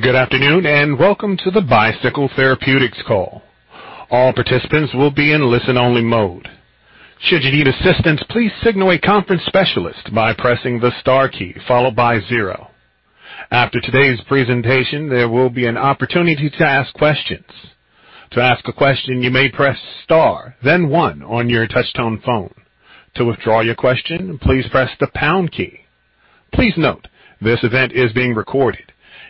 Good afternoon, and welcome to the Bicycle Therapeutics call. All participants will be in listen-only mode. Should you need assistance, please signal a conference specialist by pressing the star key followed by zero. After today's presentation, there will be an opportunity to ask questions. To ask a question, you may press star then one on your touchtone phone. To withdraw your question, please press the pound key. Please note this event is being recorded.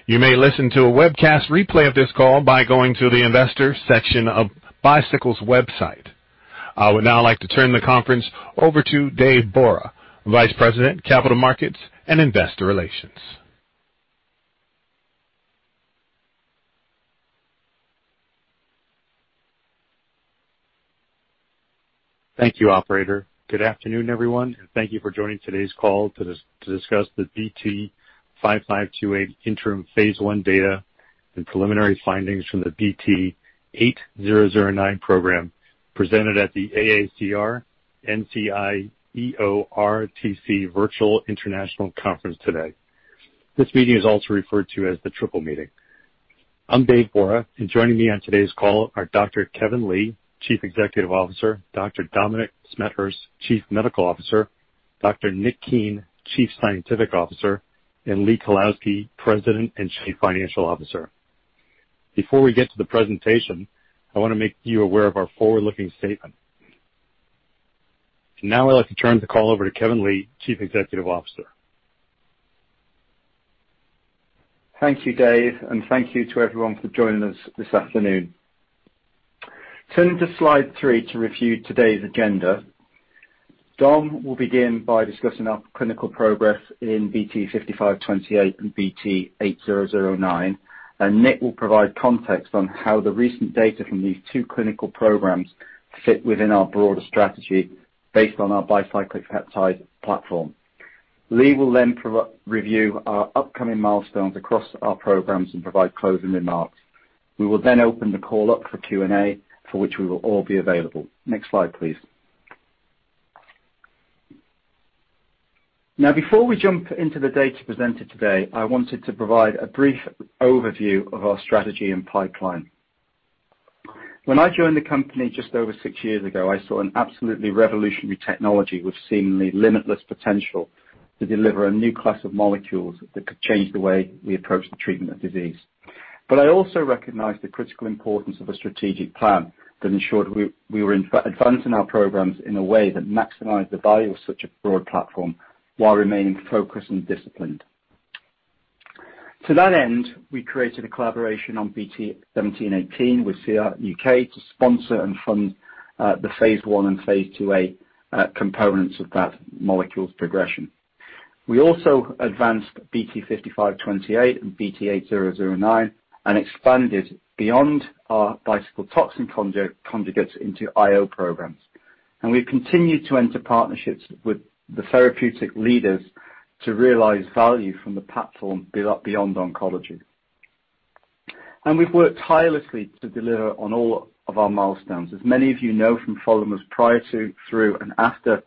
You may listen to a webcast replay of this call by going to the Investors section of Bicycle's website. I would now like to turn the conference over to David Borah, Vice President, Capital Markets and Investor Relations. Thank you, operator. Good afternoon, everyone, and thank you for joining today's call to discuss the BT5528 interim phase I data and preliminary findings from the BT8009 program presented at the AACR-NCI EORTC Virtual International Conference today. This meeting is also referred to as the EORTC-NCI-AACR Symposium. I'm David Borah, and joining me on today's call are Dr. Kevin Lee, Chief Executive Officer, Dr. Dominic Smethurst, Chief Medical Officer, Dr. Nicholas Keen, Chief Scientific Officer, and Lee Kalowski, President and Chief Financial Officer. Before we get to the presentation, I want to make you aware of our forward-looking statement. Now I'd like to turn the call over to Kevin Lee, Chief Executive Officer. Thank you, Dave, and thank you to everyone for joining us this afternoon. Turning to slide three to review today's agenda. Dom will begin by discussing our clinical progress in BT5528 and BT8009, and Nick will provide context on how the recent data from these two clinical programs fit within our broader strategy based on our bicyclic peptide platform. Lee will review our upcoming milestones across our programs and provide closing remarks. We will open the call up for Q&A, for which we will all be available. Next slide, please. Before we jump into the data presented today, I wanted to provide a brief overview of our strategy and pipeline. When I joined the company just over six years ago, I saw an absolutely revolutionary technology with seemingly limitless potential to deliver a new class of molecules that could change the way we approach the treatment of disease. I also recognized the critical importance of a strategic plan that ensured we were advancing our programs in a way that maximized the value of such a broad platform while remaining focused and disciplined. To that end, we created a collaboration on BT1718 with CRUK to sponsor and fund the phase I and phase II-A components of that molecule's progression. We also advanced BT5528 and BT8009 and expanded beyond our bicycle toxin conjugates into IO programs. We've continued to enter partnerships with the therapeutic leaders to realize value from the platform beyond oncology. We've worked tirelessly to deliver on all of our milestones. As many of you know from following us prior to, through, and after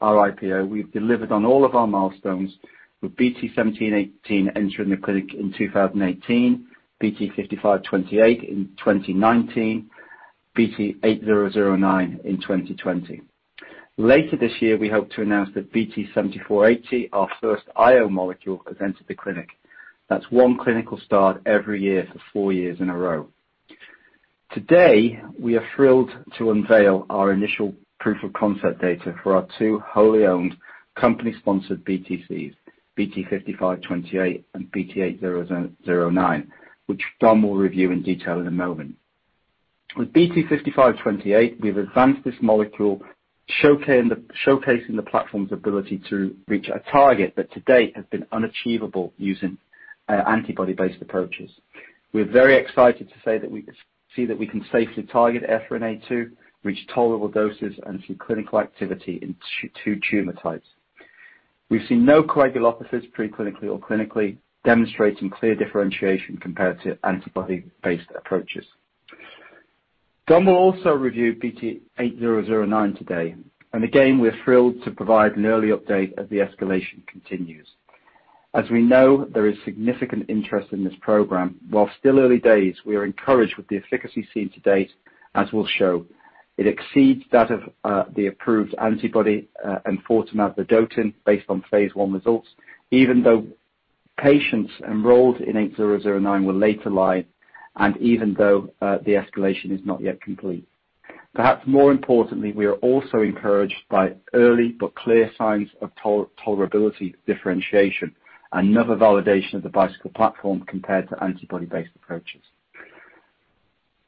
our IPO, we've delivered on all of our milestones, with BT1718 entering the clinic in 2018, BT5528 in 2019, BT8009 in 2020. Later this year, we hope to announce that BT7480, our first IO molecule, has entered the clinic. That's one clinical start every year for four years in a row. Today, we are thrilled to unveil our initial proof of concept data for our two wholly owned company-sponsored BTCs, BT5528 and BT8009, which Dom will review in detail in a moment. With BT5528, we've advanced this molecule, showcasing the platform's ability to reach a target that to date has been unachievable using antibody-based approaches. We're very excited to say that we can see that we can safely target EphrinA2, reach tolerable doses, and see clinical activity in two tumor types. We've seen no coagulopathies pre-clinically or clinically, demonstrating clear differentiation compared to antibody-based approaches. Dom will also review BT8009 today, and again, we're thrilled to provide an early update as the escalation continues. As we know, there is significant interest in this program. While still early days, we are encouraged with the efficacy seen to date as we'll show. It exceeds that of the approved antibody enfortumab vedotin based on phase I results, even though patients enrolled in 8009 were later-line, and even though the escalation is not yet complete. Perhaps more importantly, we are also encouraged by early but clear signs of tolerability differentiation, another validation of the bicycle platform compared to antibody-based approaches.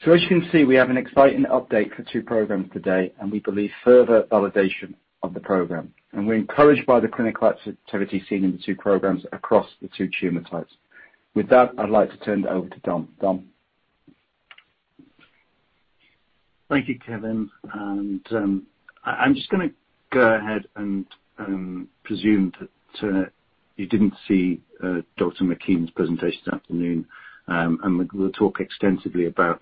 As you can see, we have an exciting update for two programs today, and we believe further validation of the program. We're encouraged by the clinical activity seen in the two programs across the two tumor types. With that, I'd like to turn it over to Dom. Dom? Thank you, Kevin. I'm just going to go ahead and presume that you didn't see Meredith McKean's presentation this afternoon. We'll talk extensively about.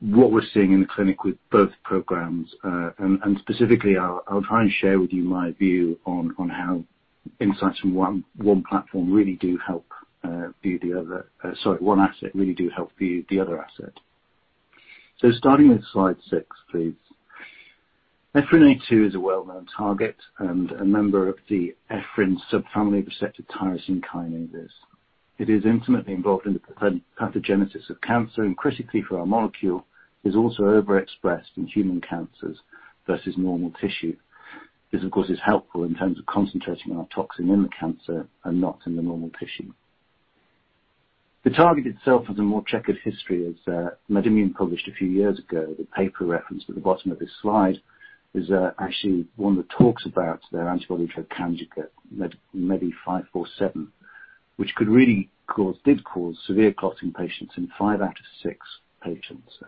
What we're seeing in the clinic with both programs, and specifically, I'll try and share with you my view on how insights from one platform really do help view the other asset. Starting with slide six, please. Ephrin-A2 is a well-known target and a member of the ephrin subfamily of receptor tyrosine kinases. It is intimately involved in the pathogenesis of cancer, and critically for our molecule, is also overexpressed in human cancers versus normal tissue. This, of course, is helpful in terms of concentrating our toxin in the cancer and not in the normal tissue. The target itself has a more checkered history, as MedImmune published a few years ago, the paper referenced at the bottom of this slide, is actually one that talks about their antibody-drug conjugate MEDI547, which did cause severe clotting patients in five out of six patients.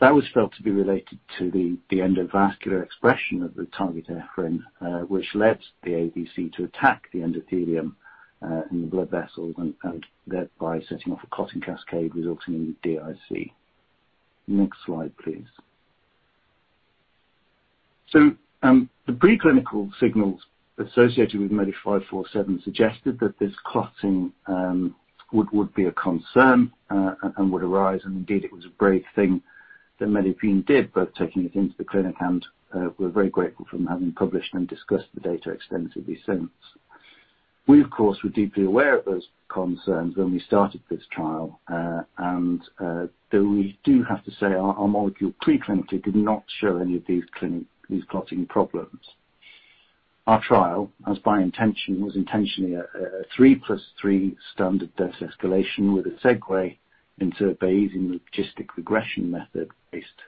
That was felt to be related to the endovascular expression of the target Ephrin, which led the ADC to attack the endothelium in the blood vessels and thereby setting off a clotting cascade resulting in DIC. Next slide, please. The preclinical signals associated with MEDI547 suggested that this clotting would be a concern and would arise, and indeed, it was a brave thing that MedImmune did, both taking it into the clinic, and we're very grateful for them having published and discussed the data extensively since. We, of course, were deeply aware of those concerns when we started this trial. Though we do have to say our molecule preclinically did not show any of these clotting problems. Our trial, as by intention, was intentionally a three plus three standard dose escalation with a segue into a Bayesian logistic regression model-based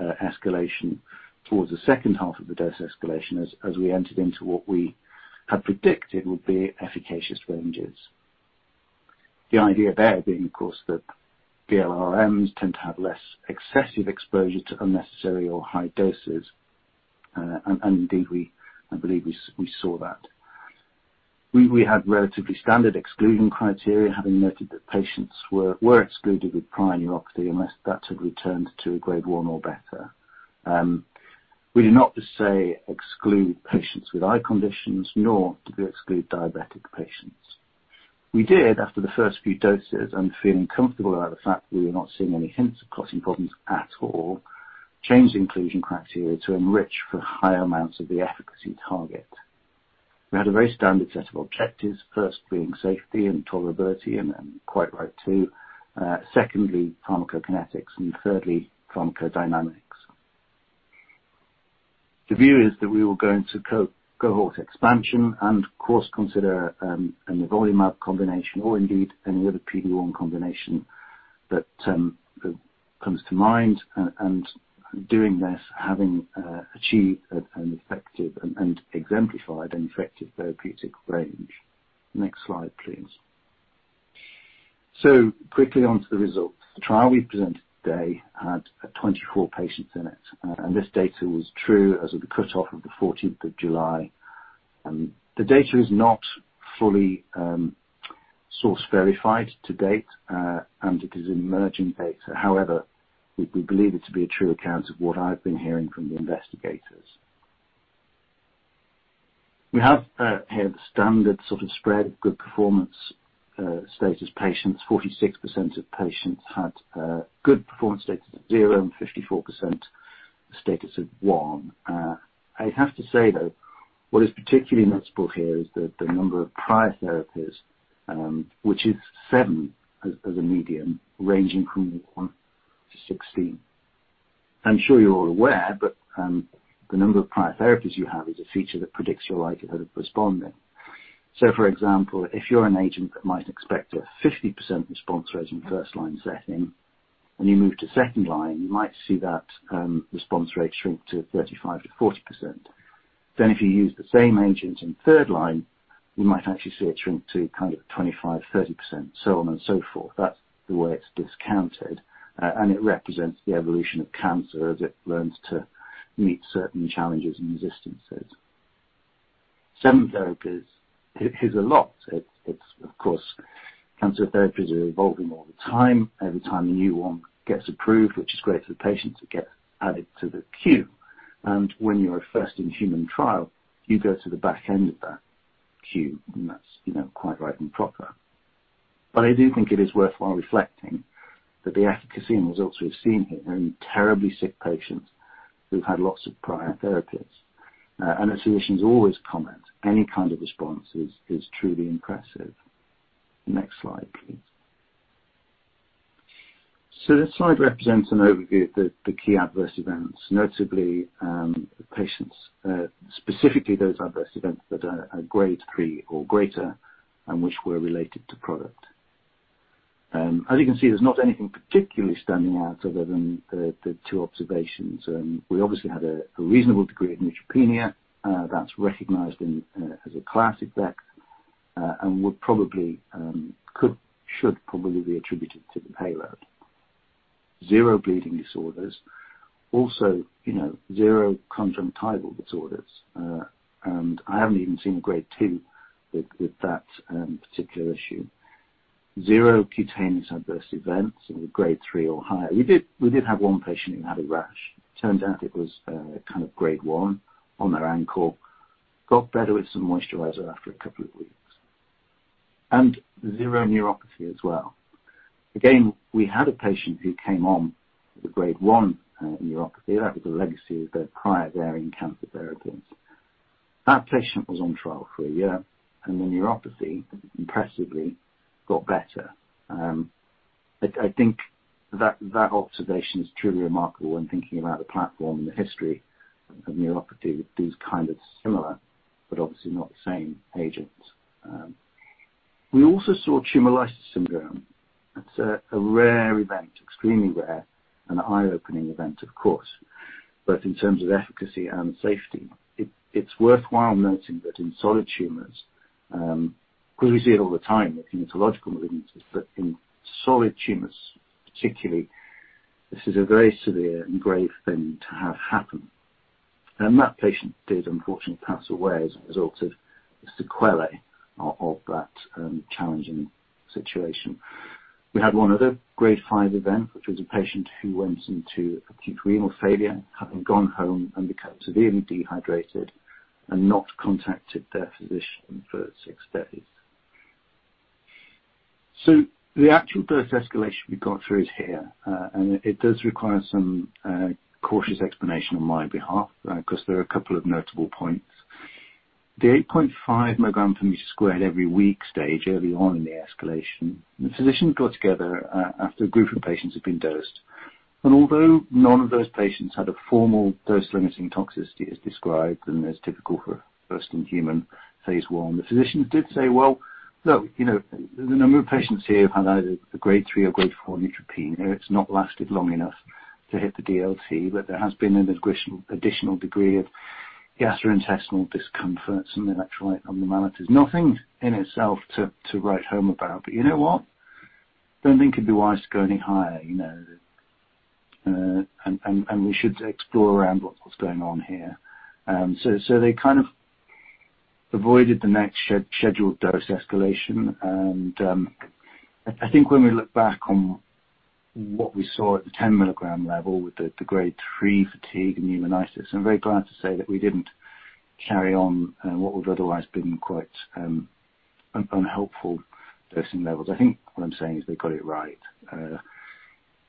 escalation towards the second half of the dose escalation, as we entered into what we had predicted would be efficacious ranges. The idea there being, of course, that BLRM tend to have less excessive exposure to unnecessary or high doses. Indeed, I believe we saw that. We had relatively standard exclusion criteria, having noted that patients were excluded with prior neuropathy unless that had returned to a Grade 1 or better. We did not per se exclude patients with eye conditions, nor did we exclude diabetic patients. We did, after the first few doses and feeling comfortable about the fact we were not seeing any hints of clotting problems at all, change the inclusion criteria to enrich for higher amounts of the efficacy target. We had a very standard set of objectives, first being safety and tolerability, and quite right, too. Secondly, pharmacokinetics and thirdly, pharmacodynamics. The view is that we will go into cohort expansion and of course consider a nivolumab combination or indeed any other PD-1 combination that comes to mind. Doing this, having achieved an effective and exemplified an effective therapeutic range. Next slide, please. Quickly onto the results. The trial we've presented today had 24 patients in it, and this data was true as of the cutoff of the 14th of July. The data is not fully source verified to date, and it is emerging data. However, we believe it to be a true account of what I've been hearing from the investigators. We have here the standard sort of spread of good performance status patients. 46% of patients had good performance status at zero, and 54% status at one. I have to say, though, what is particularly noticeable here is the number of prior therapies, which is seven as a median, ranging from 1-16. I'm sure you're all aware, but the number of prior therapies you have is a feature that predicts your likelihood of responding. For example, if you're an agent that might expect a 50% response rate in first-line setting, when you move to second line, you might see that response rate shrink to 35%-40%. If you use the same agent in third line, you might actually see it shrink to kind of 25%, 30%, so on and so forth. That's the way it's discounted, and it represents the evolution of cancer as it learns to meet certain challenges in existence. Seven therapies is a lot. Of course, cancer therapies are evolving all the time. Every time a new one gets approved, which is great for the patients, it gets added to the queue. When you're a first-in-human trial, you go to the back end of that queue, and that's quite right and proper. I do think it is worthwhile reflecting that the efficacy and results we've seen here are in terribly sick patients who've had lots of prior therapies. As physicians always comment, any kind of response is truly impressive. Next slide, please. This slide represents an overview of the key adverse events, notably the patients, specifically those adverse events that are Grade 3 or greater and which were related to product. You can see, there's not anything particularly standing out other than the two observations. We obviously had a reasonable degree of neutropenia that's recognized as a classic VEC and should probably be attributed to the payload. Zero bleeding disorders. Zero conjunctival disorders. I haven't even seen a Grade 2 with that particular issue. Zero cutaneous adverse events of Grade 3 or higher. We did have one patient who had a rash. Turned out it was a kind of Grade 1 on their ankle. Got better with some moisturizer after a couple of weeks. Zero neuropathy as well. We had a patient who came on with a Grade 1 neuropathy. That was a legacy of their prior ovarian cancer therapies. That patient was on trial for a year, and the neuropathy impressively got better. I think that observation is truly remarkable when thinking about the platform and the history of neuropathy with these kind of similar, but obviously not the same, agents. We also saw tumor lysis syndrome. That's a rare event, extremely rare, an eye-opening event, of course. In terms of efficacy and safety, it's worthwhile noting that in solid tumors, because we see it all the time with hematological malignancies, but in solid tumors particularly, this is a very severe and grave thing to have happen. That patient did unfortunately pass away as a result of the sequelae of that challenging situation. We had one other Grade 5 event, which was a patient who went into acute renal failure, having gone home and become severely dehydrated and not contacted their physician for six days. The actual dose escalation we got through is here, and it does require some cautious explanation on my behalf, because there are a couple of notable points. The 8.5 mg/m² every week stage early on in the escalation, the physicians got together after a group of patients had been dosed. Although none of those patients had a formal dose-limiting toxicity as described and as typical for a first-in-human phase I, the physicians did say, "Well, look, the number of patients here have had either a Grade 3 or Grade 4 neutropenia. It's not lasted long enough to hit the DLT, but there has been an additional degree of gastrointestinal discomfort, some electrolyte abnormalities. Nothing in itself to write home about. You know what? I don't think it'd be wise to go any higher. We should explore around what's going on here. They kind of avoided the next scheduled dose escalation, and I think when we look back on what we saw at the 10 mg level with the Grade 3 fatigue and pneumonitis, I'm very glad to say that we didn't carry on what would've otherwise been quite unhelpful dosing levels. I think what I'm saying is they got it right.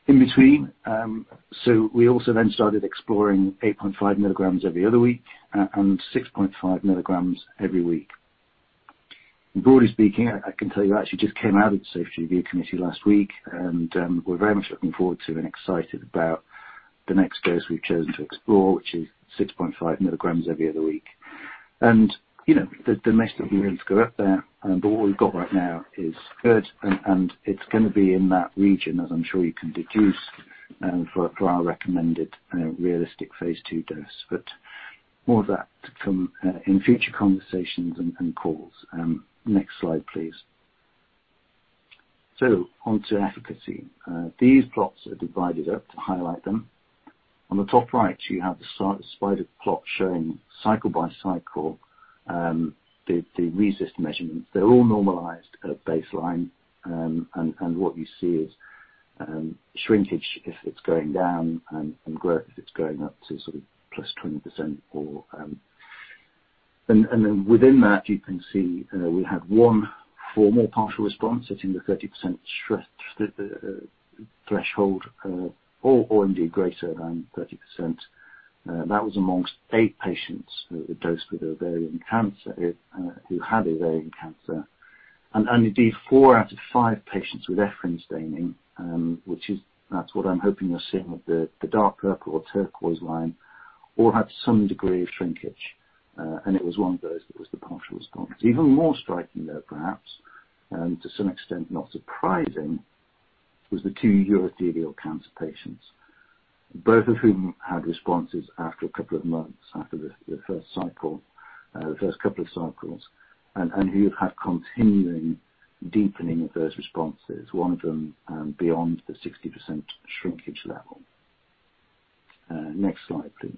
In between, we also then started exploring 8.5 mg every other week and 6.5 mg every week. Broadly speaking, I can tell you I actually just came out of the Safety Review Committee last week, we're very much looking forward to and excited about the next dose we've chosen to explore, which is 6.5 mg every other week. There may still be room to go up there, but what we've got right now is good, and it's going to be in that region, as I'm sure you can deduce, for our recommended realistic phase II dose. More of that to come in future conversations and calls. Next slide, please. Onto efficacy. These plots are divided up to highlight them. On the top right, you have the spider plot showing cycle by cycle, the RECIST measurements. They're all normalized at baseline, and what you see is shrinkage if it's going down and growth if it's going up to sort of +20%. Within that, you can see we had one formal partial response sitting at 30% threshold or indeed greater than 30%. That was amongst eight patients who were dosed with ovarian cancer, who had ovarian cancer. Indeed, four out of five patients with EphA2 staining, that's what I'm hoping you're seeing with the dark purple or turquoise line, all had some degree of shrinkage. It was one of those that was the partial response. Even more striking, though, perhaps, and to some extent not surprising, was the two urothelial cancer patients, both of whom had responses after a couple of months after the first couple of cycles, and who have had continuing deepening of those responses, one of them beyond the 60% shrinkage level. Next slide, please.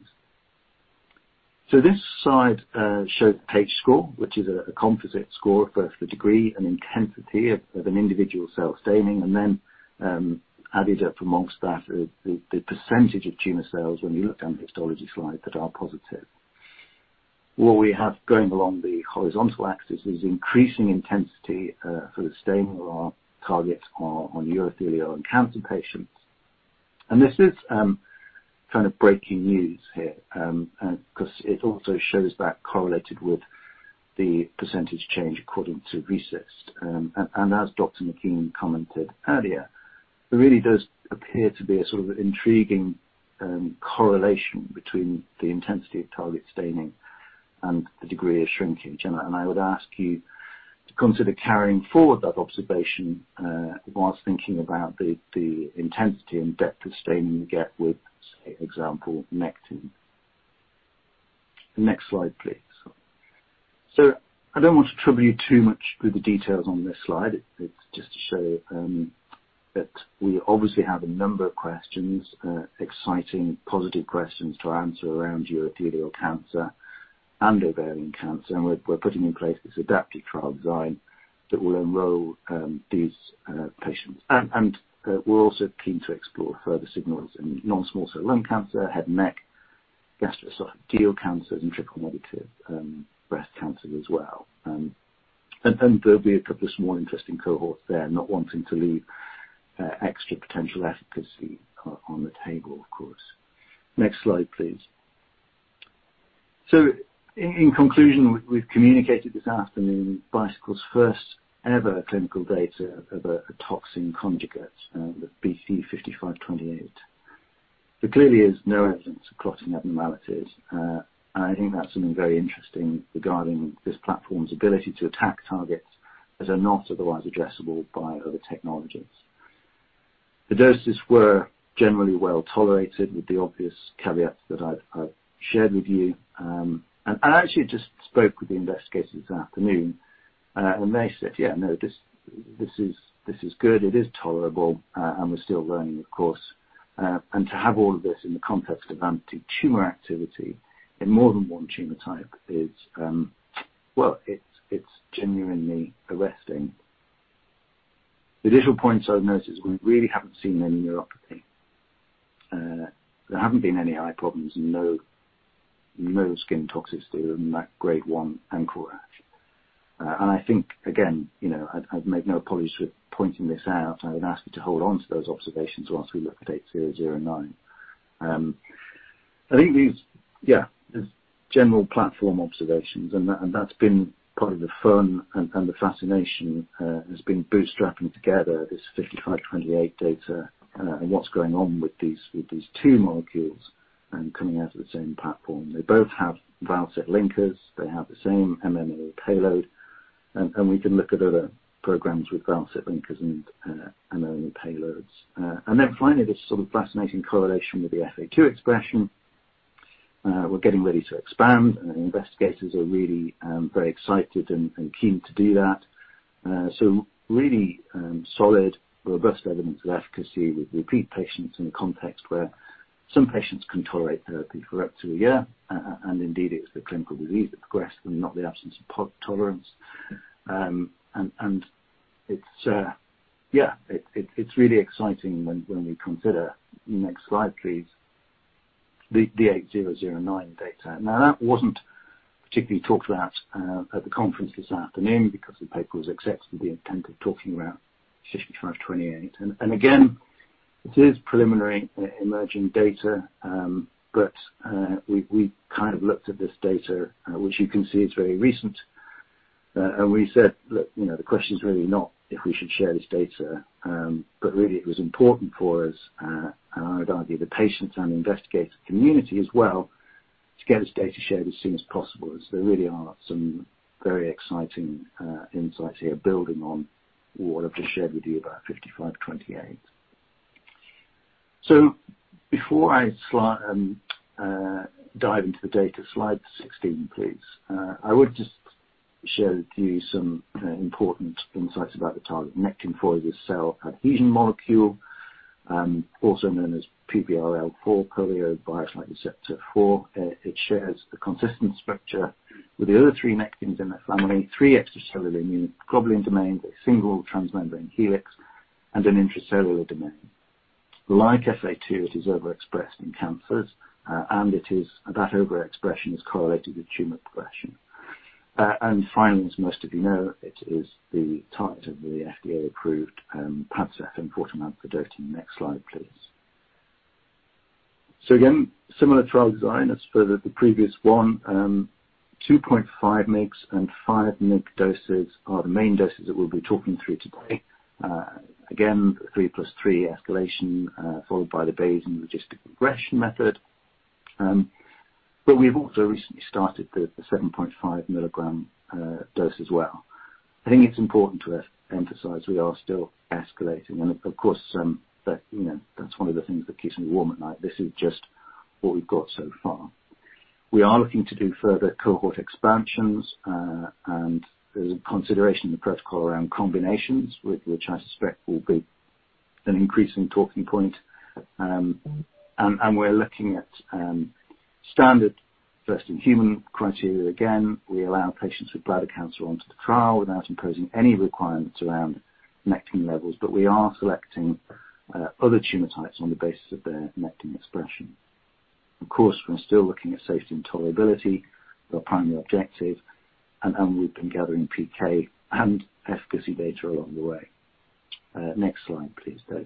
This slide shows H-score, which is a composite score for the degree and intensity of an individual cell staining, and then added up amongst that, the percentage of tumor cells when you look down a histology slide that are positive. What we have going along the horizontal axis is increasing intensity for the staining of our target on urothelial and cancer patients. This is kind of breaking news here, because it also shows that correlated with the % change according to RECIST. As Dr. McKean commented earlier, there really does appear to be a sort of intriguing correlation between the intensity of target staining and the degree of shrinkage. I would ask you to consider carrying forward that observation whilst thinking about the intensity and depth of staining you get with, say, example Nectin. The next slide, please. I don't want to trouble you too much with the details on this slide. It's just to show that we obviously have a number of questions, exciting, positive questions to answer around urothelial cancer and ovarian cancer. We're putting in place this adaptive trial design that will enroll these patients. We're also keen to explore further signals in non-small cell lung cancer, head and neck, gastroesophageal cancer, and triple negative breast cancer as well. There'll be a couple of small interesting cohorts there, not wanting to leave extra potential efficacy on the table, of course. Next slide, please. In conclusion, we've communicated this afternoon Bicycle's first-ever clinical data of a Toxin Conjugate, the BT5528. There clearly is no evidence of clotting abnormalities. I think that's something very interesting regarding this platform's ability to attack targets that are not otherwise addressable by other technologies. The doses were generally well-tolerated, with the obvious caveats that I've shared with you. I actually just spoke with the investigators this afternoon, and they said, "Yeah, no, this is good. It is tolerable," and we're still learning, of course. To have all of this in the context of anti-tumor activity in more than one tumor type is, well, it's genuinely arresting. The additional points I've noticed, we really haven't seen any neuropathy. There haven't been any eye problems. No skin toxicity other than that Grade 1 ankle rash. I think, again, I make no apologies for pointing this out, and I would ask you to hold on to those observations whilst we look at BT8009. I think these, yeah, these general platform observations, and that's been part of the fun and the fascination, has been bootstrapping together this BT5528 data, and what's going on with these two molecules and coming out of the same platform. They both have thiolate linkers. They have the same MMAE payload. We can look at other programs with thiolate linkers and MMAE payloads. Finally, this sort of fascinating correlation with the EphA2 expression. We're getting ready to expand, and the investigators are really very excited and keen to do that. Really solid, robust evidence of efficacy with repeat patients in a context where some patients can tolerate therapy for up to a year, and indeed, it's the clinical disease that progressed and not the absence of tolerance. It's really exciting when we consider, next slide, please, the 8009 data. Now, that wasn't particularly talked about at the conference this afternoon because the paper was accepted with the intent of talking about BT5528. Again, it is preliminary emerging data, but we've kind of looked at this data, which you can see is very recent. We said, "Look, the question is really not if we should share this data," but really it was important for us, and I would argue the patients and the investigator community as well, to get this data shared as soon as possible, as there really are some very exciting insights here building on what I've just shared with you about 5528. Before I dive into the data, slide 16, please. I would just share with you some important insights about the target. Nectin-4 is a cell adhesion molecule, also known as PVRL4, polio virus-like receptor 4. It shares a consistent structure with the other 3 Nectins in the family, 3 extracellular immune globulin domains, a 1 transmembrane helix, and an intracellular domain. Like EphA2, it is overexpressed in cancers, and that overexpression is correlated with tumor progression. Finally, as most of you know, it is the target of the FDA-approved PADCEV and enfortumab vedotin. Next slide, please. Again, similar trial design as per the previous one, 2.5 mg and 5 mg doses are the main doses that we'll be talking through today. Again, 3+3 escalation, followed by the Bayesian logistic regression model. We've also recently started the 7.5 mg dose as well. I think it's important to emphasize we are still escalating. Of course, that's one of the things that keeps me warm at night. This is just what we've got so far. We are looking to do further cohort expansions, and there's a consideration in the protocol around combinations, which I suspect will be an increasing talking point. We're looking at standard first-in-human criteria. Again, we allow patients with bladder cancer onto the trial without imposing any requirements around Nectin levels. We are selecting other tumor types on the basis of their Nectin expression. Of course, we're still looking at safety and tolerability, our primary objective, and we've been gathering PK and efficacy data along the way. Next slide, please, Dave.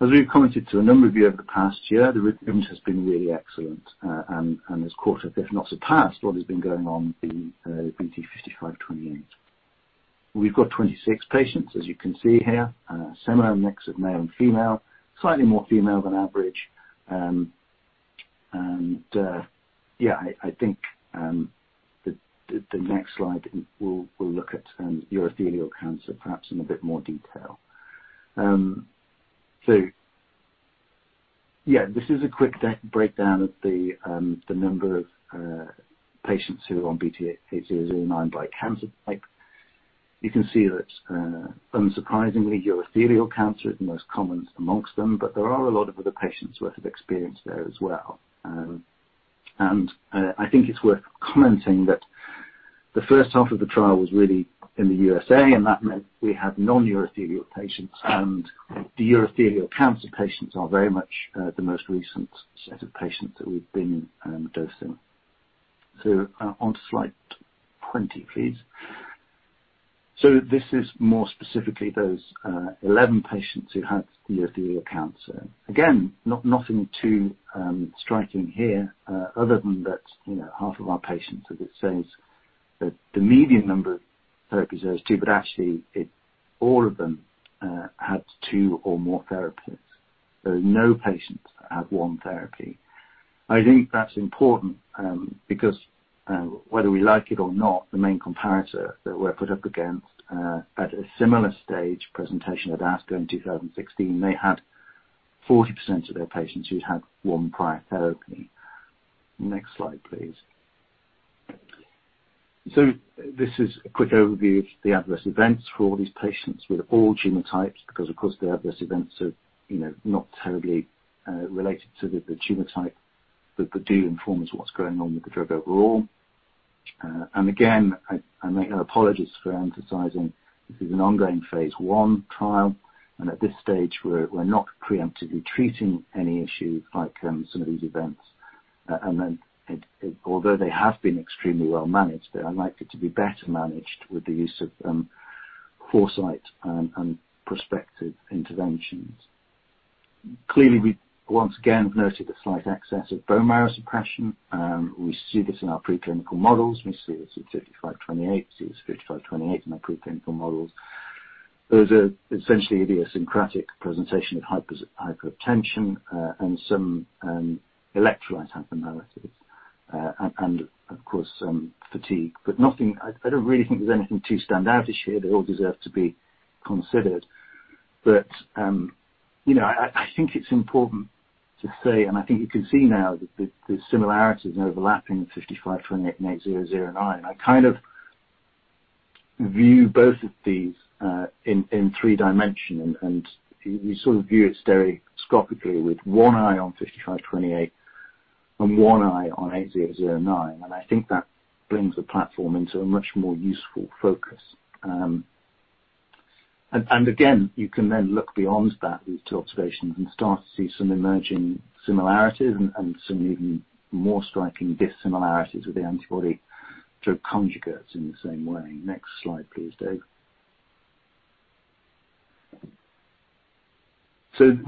As we've commented to a number of you over the past year, the recruitment has been really excellent and has caught up, if not surpassed, what has been going on in the BT5528. We've got 26 patients, as you can see here, a similar mix of male and female, slightly more female than average. Yeah, I think the next slide, we'll look at urothelial cancer perhaps in a bit more detail. Yeah, this is a quick breakdown of the number of patients who are on BT8009 by cancer type. You can see that unsurprisingly, urothelial cancer is the most common amongst them, but there are a lot of other patients worth of experience there as well. I think it's worth commenting that the first half of the trial was really in the U.S.A., and that meant we had non-urothelial patients, and the urothelial cancer patients are very much the most recent set of patients that we've been dosing. Onto slide 20, please. This is more specifically those 11 patients who had urothelial cancer. Again, nothing too striking here, other than that half of our patients, as it says, that the median number of therapies there is 2, but actually all of them had 2 or more therapies. There were no patients that had 1 therapy. I think that's important, because whether we like it or not, the main comparator that we're put up against at a similar stage presentation at ASCO in 2016, they had 40% of their patients who'd had one prior therapy. Next slide, please. This is a quick overview of the adverse events for all these patients with all genotypes, because, of course, the adverse events are not totally related to the tumor type, but they do inform us what's going on with the drug overall. Again, I make no apologies for emphasizing this is an ongoing phase I trial, and at this stage, we're not preemptively treating any issue like some of these events. Although they have been extremely well managed, they are likely to be better managed with the use of foresight and prospective interventions. Clearly, we once again noted a slight excess of bone marrow suppression. We see this in our preclinical models. We see this in BT5528, we see this with BT5528 in our preclinical models. There's essentially idiosyncratic presentation of hypertension, and some electrolyte abnormalities, and of course, some fatigue. I don't really think there's anything too standoutish here. They all deserve to be considered. I think it's important to say, and I think you can see now the similarities and overlapping of BT5528 and BT8009. I kind of view both of these in three dimension, and you sort of view it stereoscopically with one eye on BT5528 and one eye on BT8009, and I think that brings the platform into a much more useful focus. Again, you can then look beyond that, these 2 observations, and start to see some emerging similarities and some even more striking dissimilarities with the antibody-drug conjugates in the same way. Next slide please, Dave.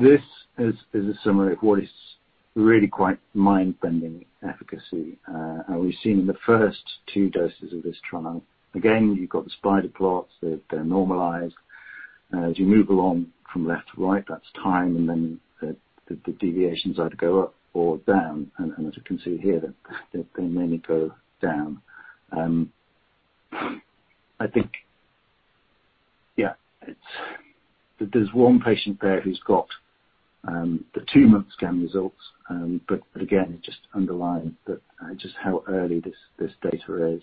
This is a summary of what is really quite mind-bending efficacy. We've seen in the first 2 doses of this trial, again, you've got the spider plots. They're normalized. As you move along from left to right, that's time, and then the deviations either go up or down. As you can see here, they mainly go down. I think, yeah, there's 1 patient there who's got the 2-month scan results, but again, it just underlines just how early this data is.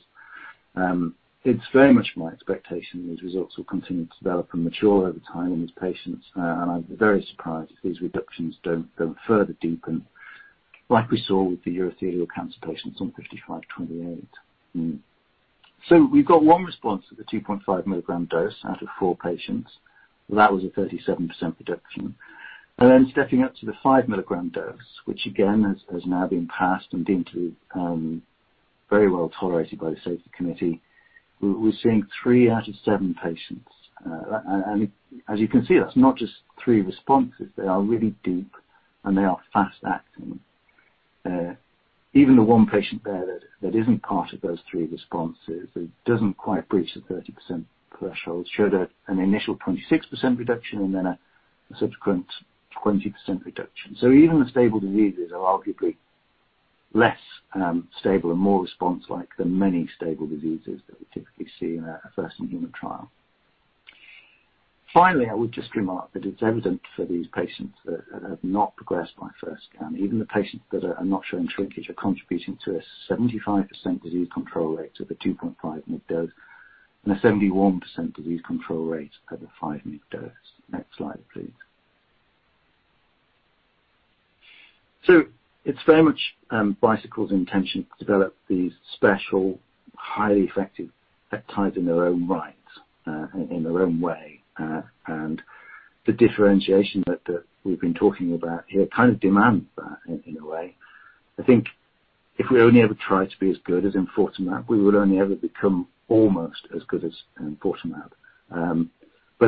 It's very much my expectation these results will continue to develop and mature over time in these patients. I'd be very surprised if these reductions don't further deepen, like we saw with the urothelial cancer patients on 5528. We've got 1 response at the 2.5-milligram dose out of 4 patients. That was a 37% reduction. Stepping up to the 5-milligram dose, which again, has now been passed and deemed to be very well tolerated by the safety committee. We're seeing 3 out of 7 patients. As you can see, that's not just 3 responses. They are really deep, and they are fast-acting. Even the 1 patient there that isn't part of those 3 responses, that doesn't quite breach the 30% threshold, showed an initial 26% reduction and then a subsequent 20% reduction. Even the stable diseases are arguably less stable and more response-like than many stable diseases that we typically see in a first-in-human trial. I would just remark that it's evident for these patients that have not progressed by first scan, even the patients that are not showing shrinkage, are contributing to a 75% disease control rate at the 2.5 mg dose and a 71% disease control rate at the 5 mg dose. Next slide, please. It's very much Bicycle's intention to develop these special, highly effective peptides in their own right, in their own way. The differentiation that we've been talking about here kind of demands that in a way. I think if we only ever try to be as good as enfortumab, we would only ever become almost as good as enfortumab.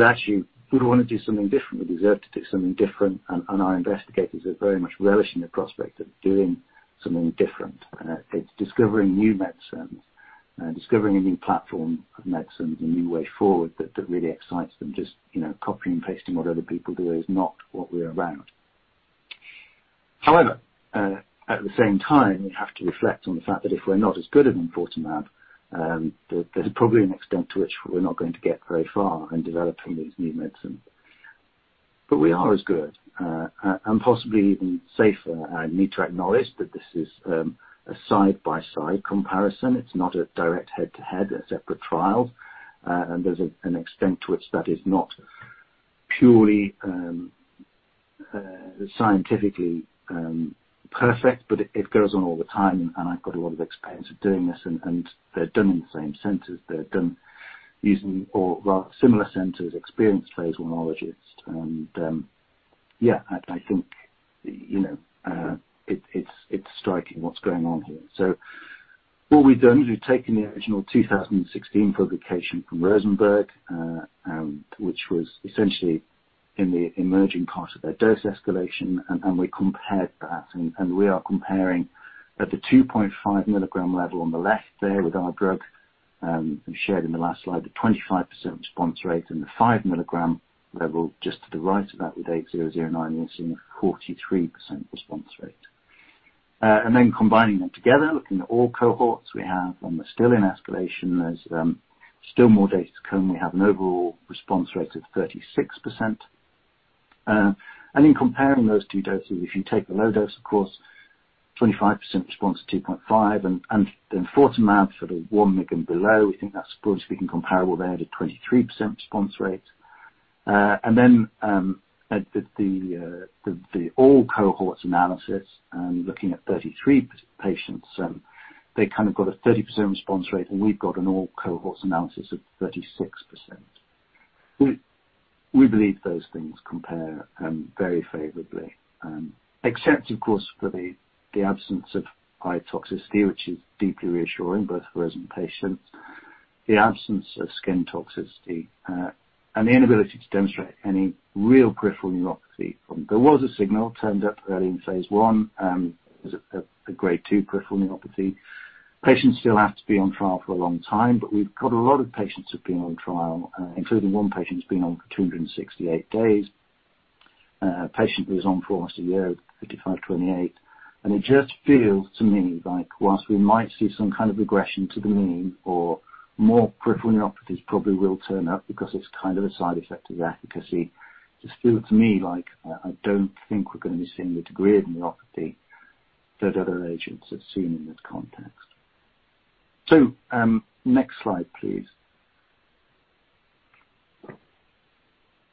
Actually, we'd want to do something different. We deserve to do something different, and our investigators are very much relishing the prospect of doing something different. It's discovering new medicines and discovering a new platform of medicines, a new way forward that really excites them. Just copying and pasting what other people do is not what we're about. At the same time, we have to reflect on the fact that if we're not as good as enfortumab, there's probably an extent to which we're not going to get very far in developing these new medicines. We are as good, and possibly even safer. I need to acknowledge that this is a side-by-side comparison. It's not a direct head-to-head, a separate trial, and there's an extent to which that is not purely scientifically perfect, but it goes on all the time, and I've got a lot of experience of doing this. They're done in the same centers. They're done using or rather, similar centers, experienced phase I-ologists. Yeah, I think it's striking what's going on here. What we've done is we've taken the original 2016 publication from Rosenberg, which was essentially in the emerging part of their dose escalation, and we compared that. We are comparing at the 2.5 milligram level on the left there with our drug, we shared in the last slide, the 25% response rate and the 5 mg level just to the right of that with 8009, we're seeing a 43% response rate. Combining them together, looking at all cohorts we have, and we're still in escalation, there's still more data to come. We have an overall response rate of 36%. In comparing those two doses, if you take the low dose, of course, 25% response at 2.5 and enfortumab for the 1 mg below, we think that's broadly speaking, comparable there at a 23% response rate. At the all cohorts analysis and looking at 33 patients, they got a 30% response rate, and we've got an all cohorts analysis of 36%. We believe those things compare very favorably. Except of course for the absence of eye toxicity, which is deeply reassuring, both for us and patients, the absence of skin toxicity, and the inability to demonstrate any real peripheral neuropathy. There was a signal, turned up early in phase I, it was a Grade 2 peripheral neuropathy. Patients still have to be on trial for a long time, but we've got a lot of patients who've been on trial, including one patient who's been on for 268 days. A patient who was on for almost a year, 5528. It just feels to me like while we might see some kind of regression to the mean or more peripheral neuropathies probably will turn up because it's kind of a side effect of the efficacy. Just feel to me like, I don't think we're going to be seeing the degree of neuropathy that other agents have seen in this context. Next slide, please.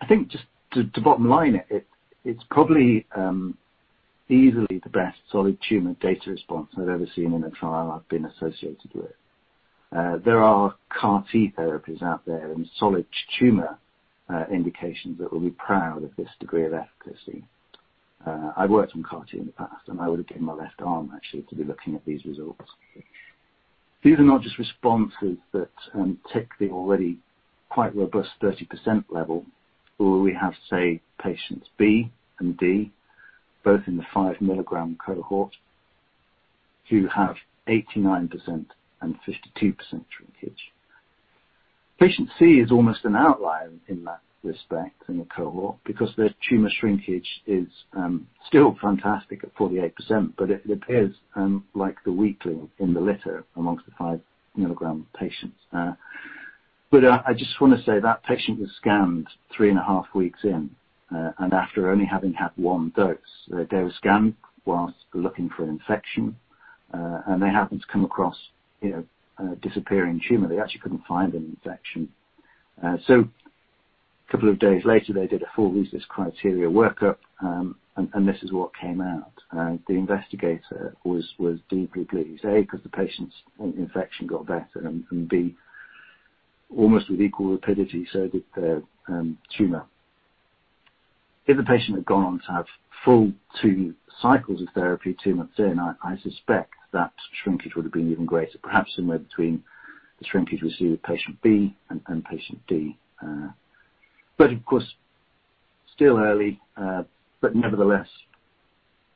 I think just to bottom line it's probably easily the best solid tumor data response I've ever seen in a trial I've been associated with. There are CAR-T therapies out there and solid tumor indications that will be proud of this degree of efficacy. I've worked on CAR-T in the past. I would have given my left arm, actually, to be looking at these results. These are not just responses that tick the already quite robust 30% level, where we have, say, patients B and D, both in the 5-milligram cohort, who have 89% and 52% shrinkage. Patient C is almost an outlier in that respect in the cohort because their tumor shrinkage is still fantastic at 48%. It appears like the weakling in the litter amongst the 5-milligram patients. I just want to say that patient was scanned three and a half weeks in, and after only having had one dose. They were scanned whilst looking for an infection. They happened to come across a disappearing tumor. They actually couldn't find an infection. A couple of days later, they did a full RECIST criteria workup, and this is what came out. The investigator was deeply pleased. A, because the patient's infection got better, and B, almost with equal rapidity, so did the tumor. If the patient had gone on to have full two cycles of therapy two months in, I suspect that shrinkage would have been even greater, perhaps somewhere between the shrinkage we see with patient B and patient D. Of course, still early, but nevertheless,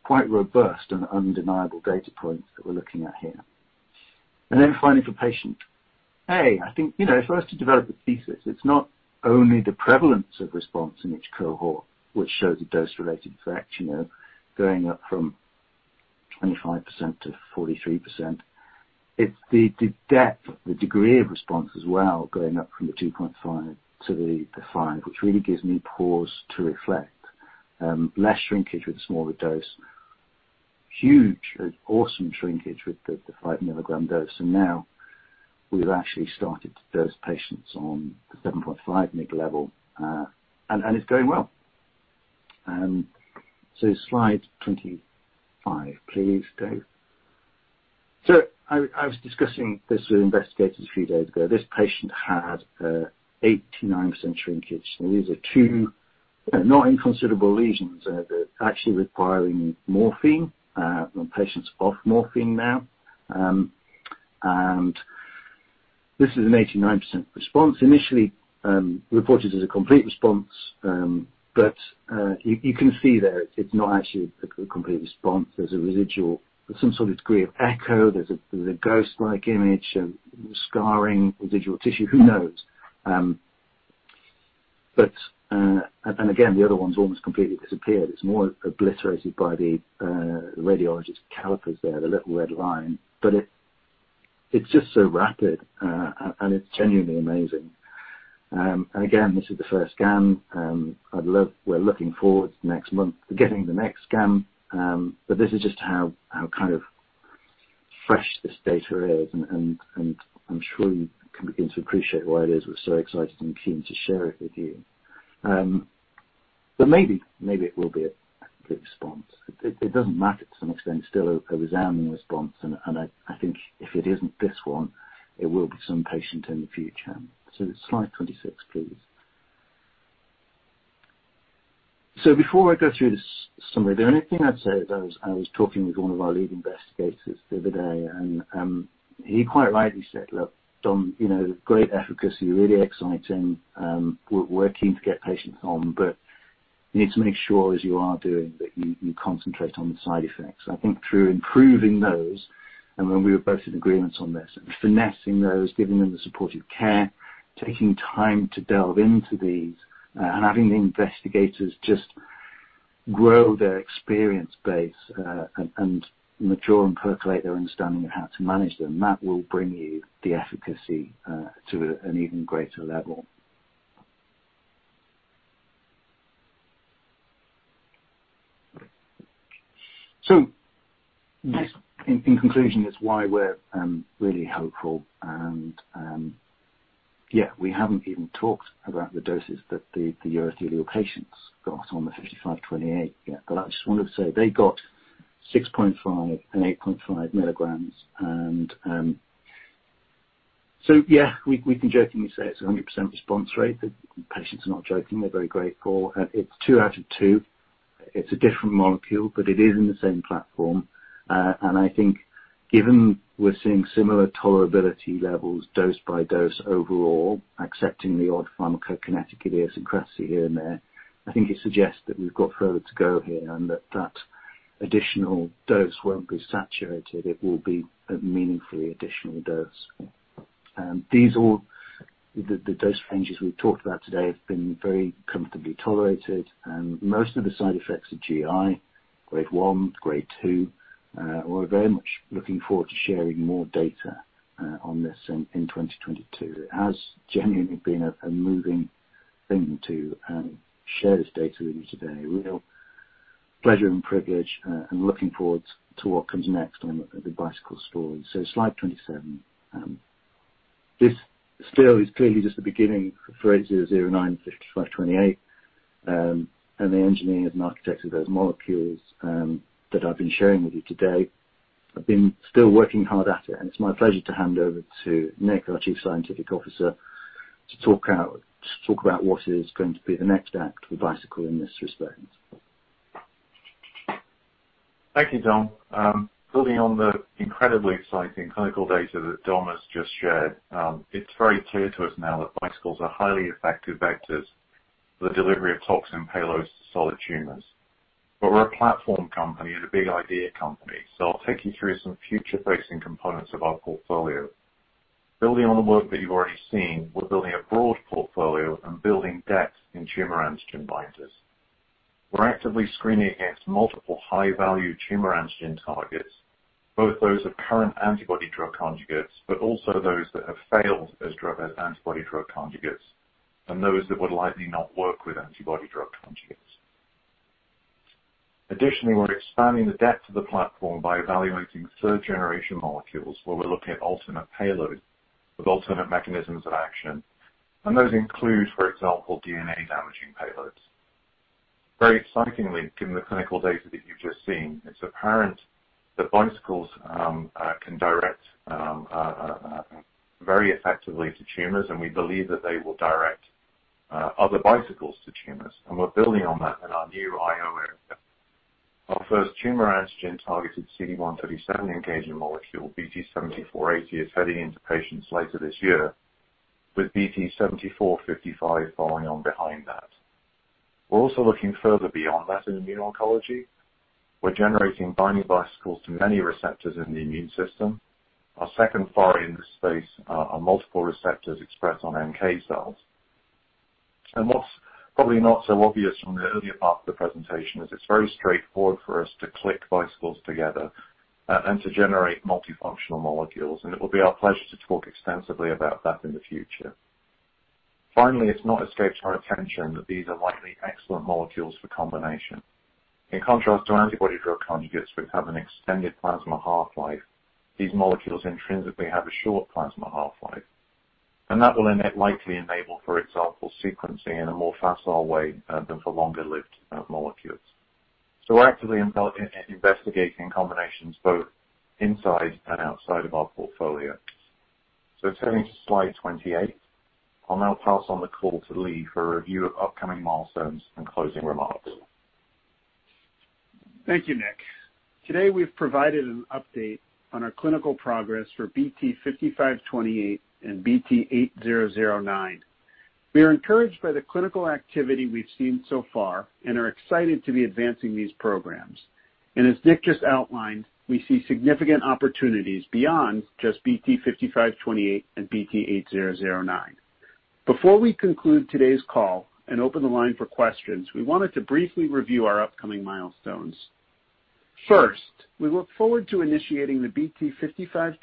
quite robust and undeniable data points that we're looking at here. Finally, for patient A, I think, for us to develop a thesis, it's not only the prevalence of response in each cohort which shows a dose-related effect, going up from 25%-43%. It's the depth, the degree of response as well, going up from the 2.5 to the five, which really gives me pause to reflect. Less shrinkage with the smaller dose. Huge, awesome shrinkage with the 5 mg dose and now we've actually started to dose patients on the 7.5 mg level, and it's going well. Slide 25, please, Dave. I was discussing this with investigators a few days ago. This patient had a 89% shrinkage. These are two not inconsiderable lesions that are actually requiring morphine. The patient's off morphine now. This is an 89% response, initially reported as a complete response, but you can see there it's not actually a complete response. There's a residual, some sort of degree of echo. There's a ghost-like image of scarring, residual tissue, who knows? And again, the other one's almost completely disappeared. It's more obliterated by the radiologist's calipers there, the little red line. It's just so rapid, and it's genuinely amazing. Again, this is the first scan. We're looking forward to next month to getting the next scan, but this is just how fresh this data is. I'm sure you can begin to appreciate why Liz was so excited and keen to share it with you. Maybe it will be a complete response. It doesn't matter to some extent, it's still a resounding response. I think if it isn't this one, it will be some patient in the future. Slide 26, please. Before I go through the summary, the only thing I'd say is I was talking with one of our lead investigators the other day, and he quite rightly said, "Look, Dom, great efficacy, really exciting. We're keen to get patients on, but you need to make sure as you are doing, that you concentrate on the side effects." I think through improving those, and when we were both in agreements on this, and finessing those, giving them the supportive care, taking time to delve into these, and having the investigators just grow their experience base, and mature and percolate their understanding of how to manage them, that will bring you the efficacy to an even greater level. Yes. In conclusion, it's why we're really hopeful and, yeah, we haven't even talked about the doses that the urothelial patients got on the BT5528 yet. I just wanted to say they got 6.5 mg and 8.5 mg. Yeah, we can jokingly say it's 100% response rate. The patients are not joking, they're very grateful. It's two out of two. It's a different molecule, but it is in the same platform. I think given we're seeing similar tolerability levels dose by dose overall, excepting the odd pharmacokinetic idiosyncrasy here and there, I think it suggests that we've got further to go here, and that that additional dose won't be saturated. It will be a meaningfully additional dose. The dose ranges we've talked about today have been very comfortably tolerated, and most of the side effects are GI, Grade 1, Grade 2. We're very much looking forward to sharing more data on this in 2022. It has genuinely been a moving thing to share this data with you today. A real pleasure and privilege, looking forward to what comes next on the Bicycle story. Slide 27. This still is clearly just the beginning for BT8009 and BT5528, the engineering and architects of those molecules that I've been sharing with you today. I've been still working hard at it's my pleasure to hand over to Nicholas Keen, our Chief Scientific Officer, to talk about what is going to be the next act for Bicycle in this respect. Thank you, Dom. Building on the incredibly exciting clinical data that Dom has just shared, it's very clear to us now that bicycles are highly effective vectors for the delivery of toxin payloads to solid tumors. We're a platform company and a big idea company, so I'll take you through some future-facing components of our portfolio. Building on the work that you've already seen, we're building a broad portfolio and building depth in tumor antigen binders. We're actively screening against multiple high-value tumor antigen targets, both those of current antibody drug conjugates, but also those that have failed as antibody drug conjugates, and those that would likely not work with antibody drug conjugates. Additionally, we're expanding the depth of the platform by evaluating third-generation molecules, where we're looking at alternate payloads with alternate mechanisms of action. Those include, for example, DNA-damaging payloads. Very excitingly, given the clinical data that you've just seen, it's apparent that Bicycles can direct very effectively to tumors, and we believe that they will direct other Bicycles to tumors, and we're building on that in our new IO area. Our first tumor antigen-targeted CD137 engaging molecule, BT7480, is heading into patients later this year, with BT7455 following on behind that. We're also looking further beyond that in immune oncology. We're generating binding Bicycles to many receptors in the immune system. Our second foray in this space are multiple receptors expressed on NK cells. What's probably not so obvious from the earlier part of the presentation is it's very straightforward for us to click Bicycles together and to generate multifunctional molecules, and it will be our pleasure to talk extensively about that in the future. Finally, it's not escaped our attention that these are likely excellent molecules for combination. In contrast to antibody-drug conjugates, which have an extended plasma half-life, these molecules intrinsically have a short plasma half-life, that will likely enable, for example, sequencing in a more facile way than for longer-lived molecules. We're actively investigating combinations both inside and outside of our portfolio. Turning to slide 28, I'll now pass on the call to Lee for a review of upcoming milestones and closing remarks. Thank you, Nick. Today, we've provided an update on our clinical progress for BT5528 and BT8009. We are encouraged by the clinical activity we've seen so far and are excited to be advancing these programs. As Nick just outlined, we see significant opportunities beyond just BT5528 and BT8009. Before we conclude today's call and open the line for questions, we wanted to briefly review our upcoming milestones. First, we look forward to initiating the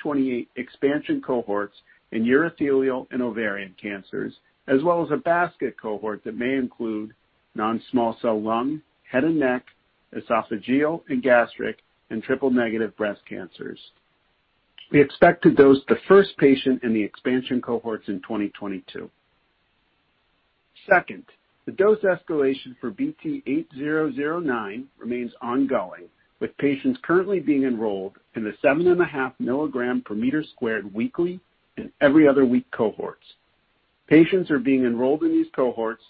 BT5528 expansion cohorts in urothelial and ovarian cancers, as well as a basket cohort that may include non-small cell lung, head and neck, esophageal and gastric, and triple negative breast cancers. We expect to dose the first patient in the expansion cohorts in 2022. Second, the dose escalation for BT8009 remains ongoing, with patients currently being enrolled in the 7.5 milligram per meter squared weekly and every other week cohorts. Patients are being enrolled in these cohorts.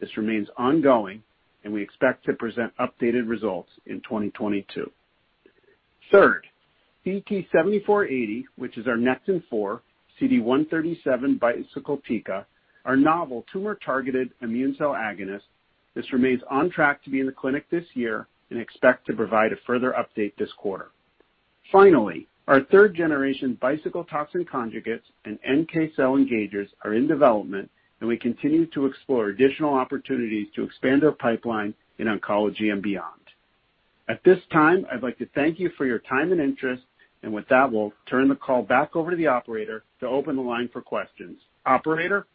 This remains ongoing, and we expect to present updated results in 2022. Third, BT7480, which is our Nectin-4/CD137 Bicycle TICA, our novel tumor-targeted immune cell agonist. This remains on track to be in the clinic this year and expect to provide a further update this quarter. Finally, our third-generation Bicycle Toxin Conjugates and NK cell engagers are in development, and we continue to explore additional opportunities to expand our pipeline in oncology and beyond. At this time, I'd like to thank you for your time and interest, and with that, we'll turn the call back over to the operator to open the line for questions. Operator?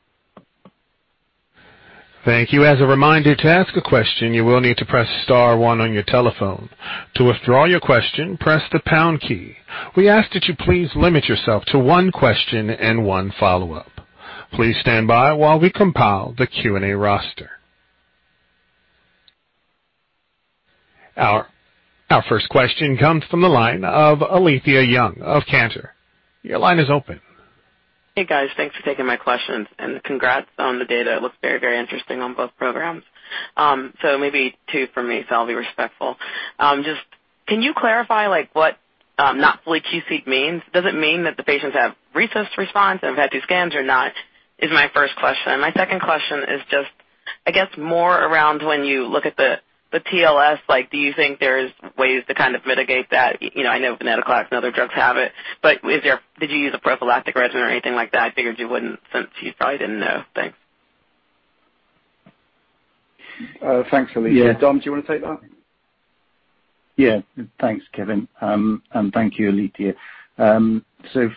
Thank you. As a reminder, to ask a question, you will need to press star one on your telephone. To withdraw your question, press the pound key. We ask that you please limit yourself to one question and one follow-up. Please stand by while we compile the Q&A roster. Our first question comes from the line of Alethia Young of Cantor. Your line is open. Hey, guys. Thanks for taking my questions, and congrats on the data. It looks very interesting on both programs. Maybe two from me, so I'll be respectful. Just can you clarify what not fully QC'd means? Does it mean that the patients have RECIST response and have had these scans or not? Is my first question. My second question is just, I guess more around when you look at the TLS, do you think there's ways to mitigate that? I know venetoclax and other drugs have it, but did you use a prophylactic regimen or anything like that? I figured you wouldn't since you probably didn't know. Thanks. Thanks, Alethia. Yeah. Dom, do you want to take that? Yeah. Thanks, Kevin. Thank you, Alethia.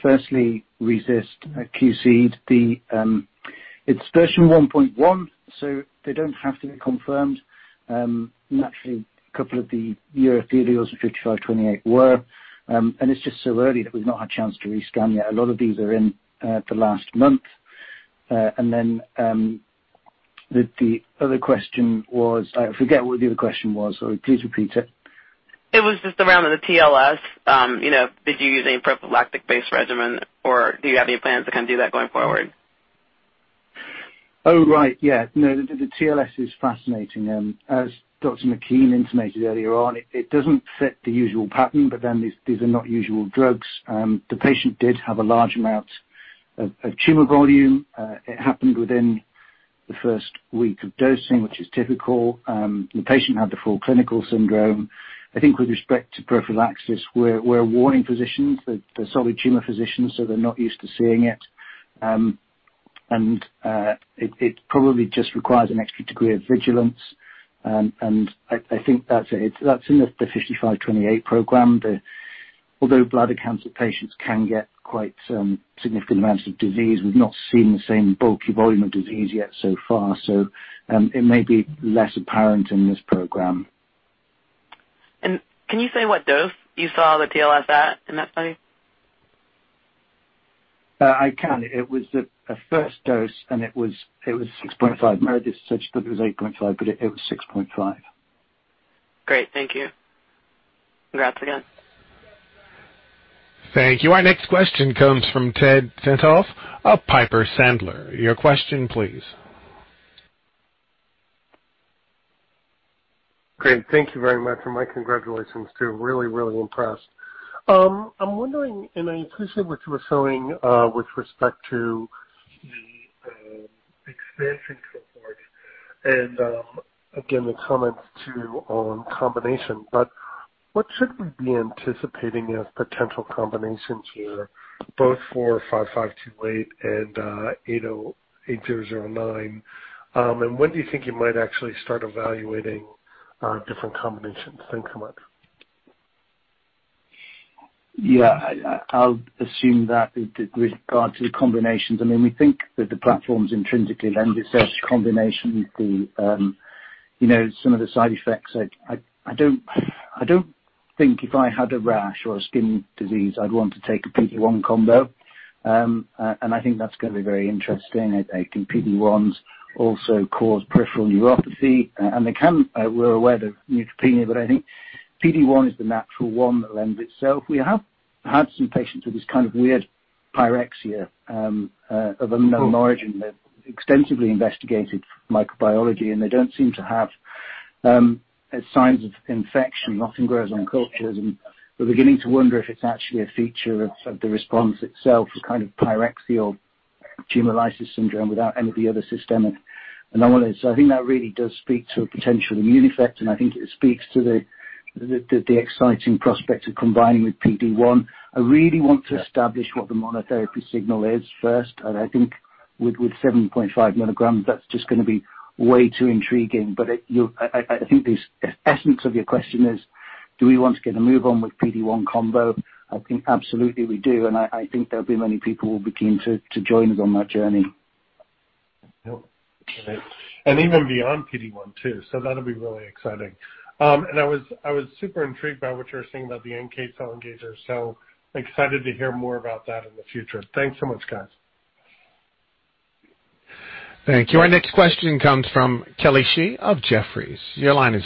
Firstly, RECIST, QC'd. It's version 1.1, they don't have to be confirmed. Actually, a couple of the urothelials in 5528 were, it's just so early that we've not had a chance to rescan yet. A lot of these are in the last month. The other question was I forget what the other question was, please repeat it. It was just around the TLS. Did you use any prophylactic-based regimen, or do you have any plans to do that going forward? Oh, right. Yeah. No, the TLS is fascinating. As Meredith McKean intimated earlier on, it doesn't fit the usual pattern. These are not usual drugs. The patient did have a large amount of tumor volume. It happened within the first week of dosing, which is typical. The patient had the full clinical syndrome. I think with respect to prophylaxis, we're warning physicians, the solid tumor physicians. They're not used to seeing it. It probably just requires an extra degree of vigilance, and I think that's it. That's in the BT5528 program. Although bladder cancer patients can get quite significant amounts of disease, we've not seen the same bulky volume of disease yet so far. It may be less apparent in this program. Can you say what dose you saw the TLS at in that study? I can. It was a first dose, and it was 6.5. Meredith said she thought it was 8.5, but it was 6.5. Great. Thank you. Congrats again. Thank you. Our next question comes from Ted Tenthoff of Piper Sandler. Your question, please. Great. Thank you very much, and my congratulations, too. Really impressed. I'm wondering, and I appreciate what you were showing with respect to the expansion cohort and, again, the comments too on combination. What should we be anticipating as potential combinations here, both for 5528 and 8009? When do you think you might actually start evaluating different combinations? Thanks so much. Yeah. I'll assume that with regard to the combinations, we think that the platform's intrinsically lends itself to combination with some of the side effects. I don't think if I had a rash or a skin disease, I'd want to take a PD-1 combo. I think that's going to be very interesting. I think PD-1s also cause peripheral neuropathy, they can, we're aware, the neutropenia, I think PD-1 is the natural one that lends itself. We have had some patients with this kind of weird pyrexia of unknown origin. They've extensively investigated microbiology, they don't seem to have signs of infection. Nothing grows on cultures. We're beginning to wonder if it's actually a feature of the response itself, a kind of pyrexia or tumor lysis syndrome without any of the other systemic anomalies. I think that really does speak to a potential immune effect. I think it speaks to the exciting prospect of combining with PD-1. I really want to establish what the monotherapy signal is first. I think with 7.5 milligrams, that's just going to be way too intriguing. I think the essence of your question is, do we want to get a move on with PD-1 combo? I think absolutely we do. I think there'll be many people who will be keen to join us on that journey. Yep. Great. Even beyond PD-1, too. That'll be really exciting. I was super intrigued by what you were saying about the NK cell engager. Excited to hear more about that in the future. Thanks so much, guys. Thank you. Our next question comes from Kelly Shi of Jefferies. Thank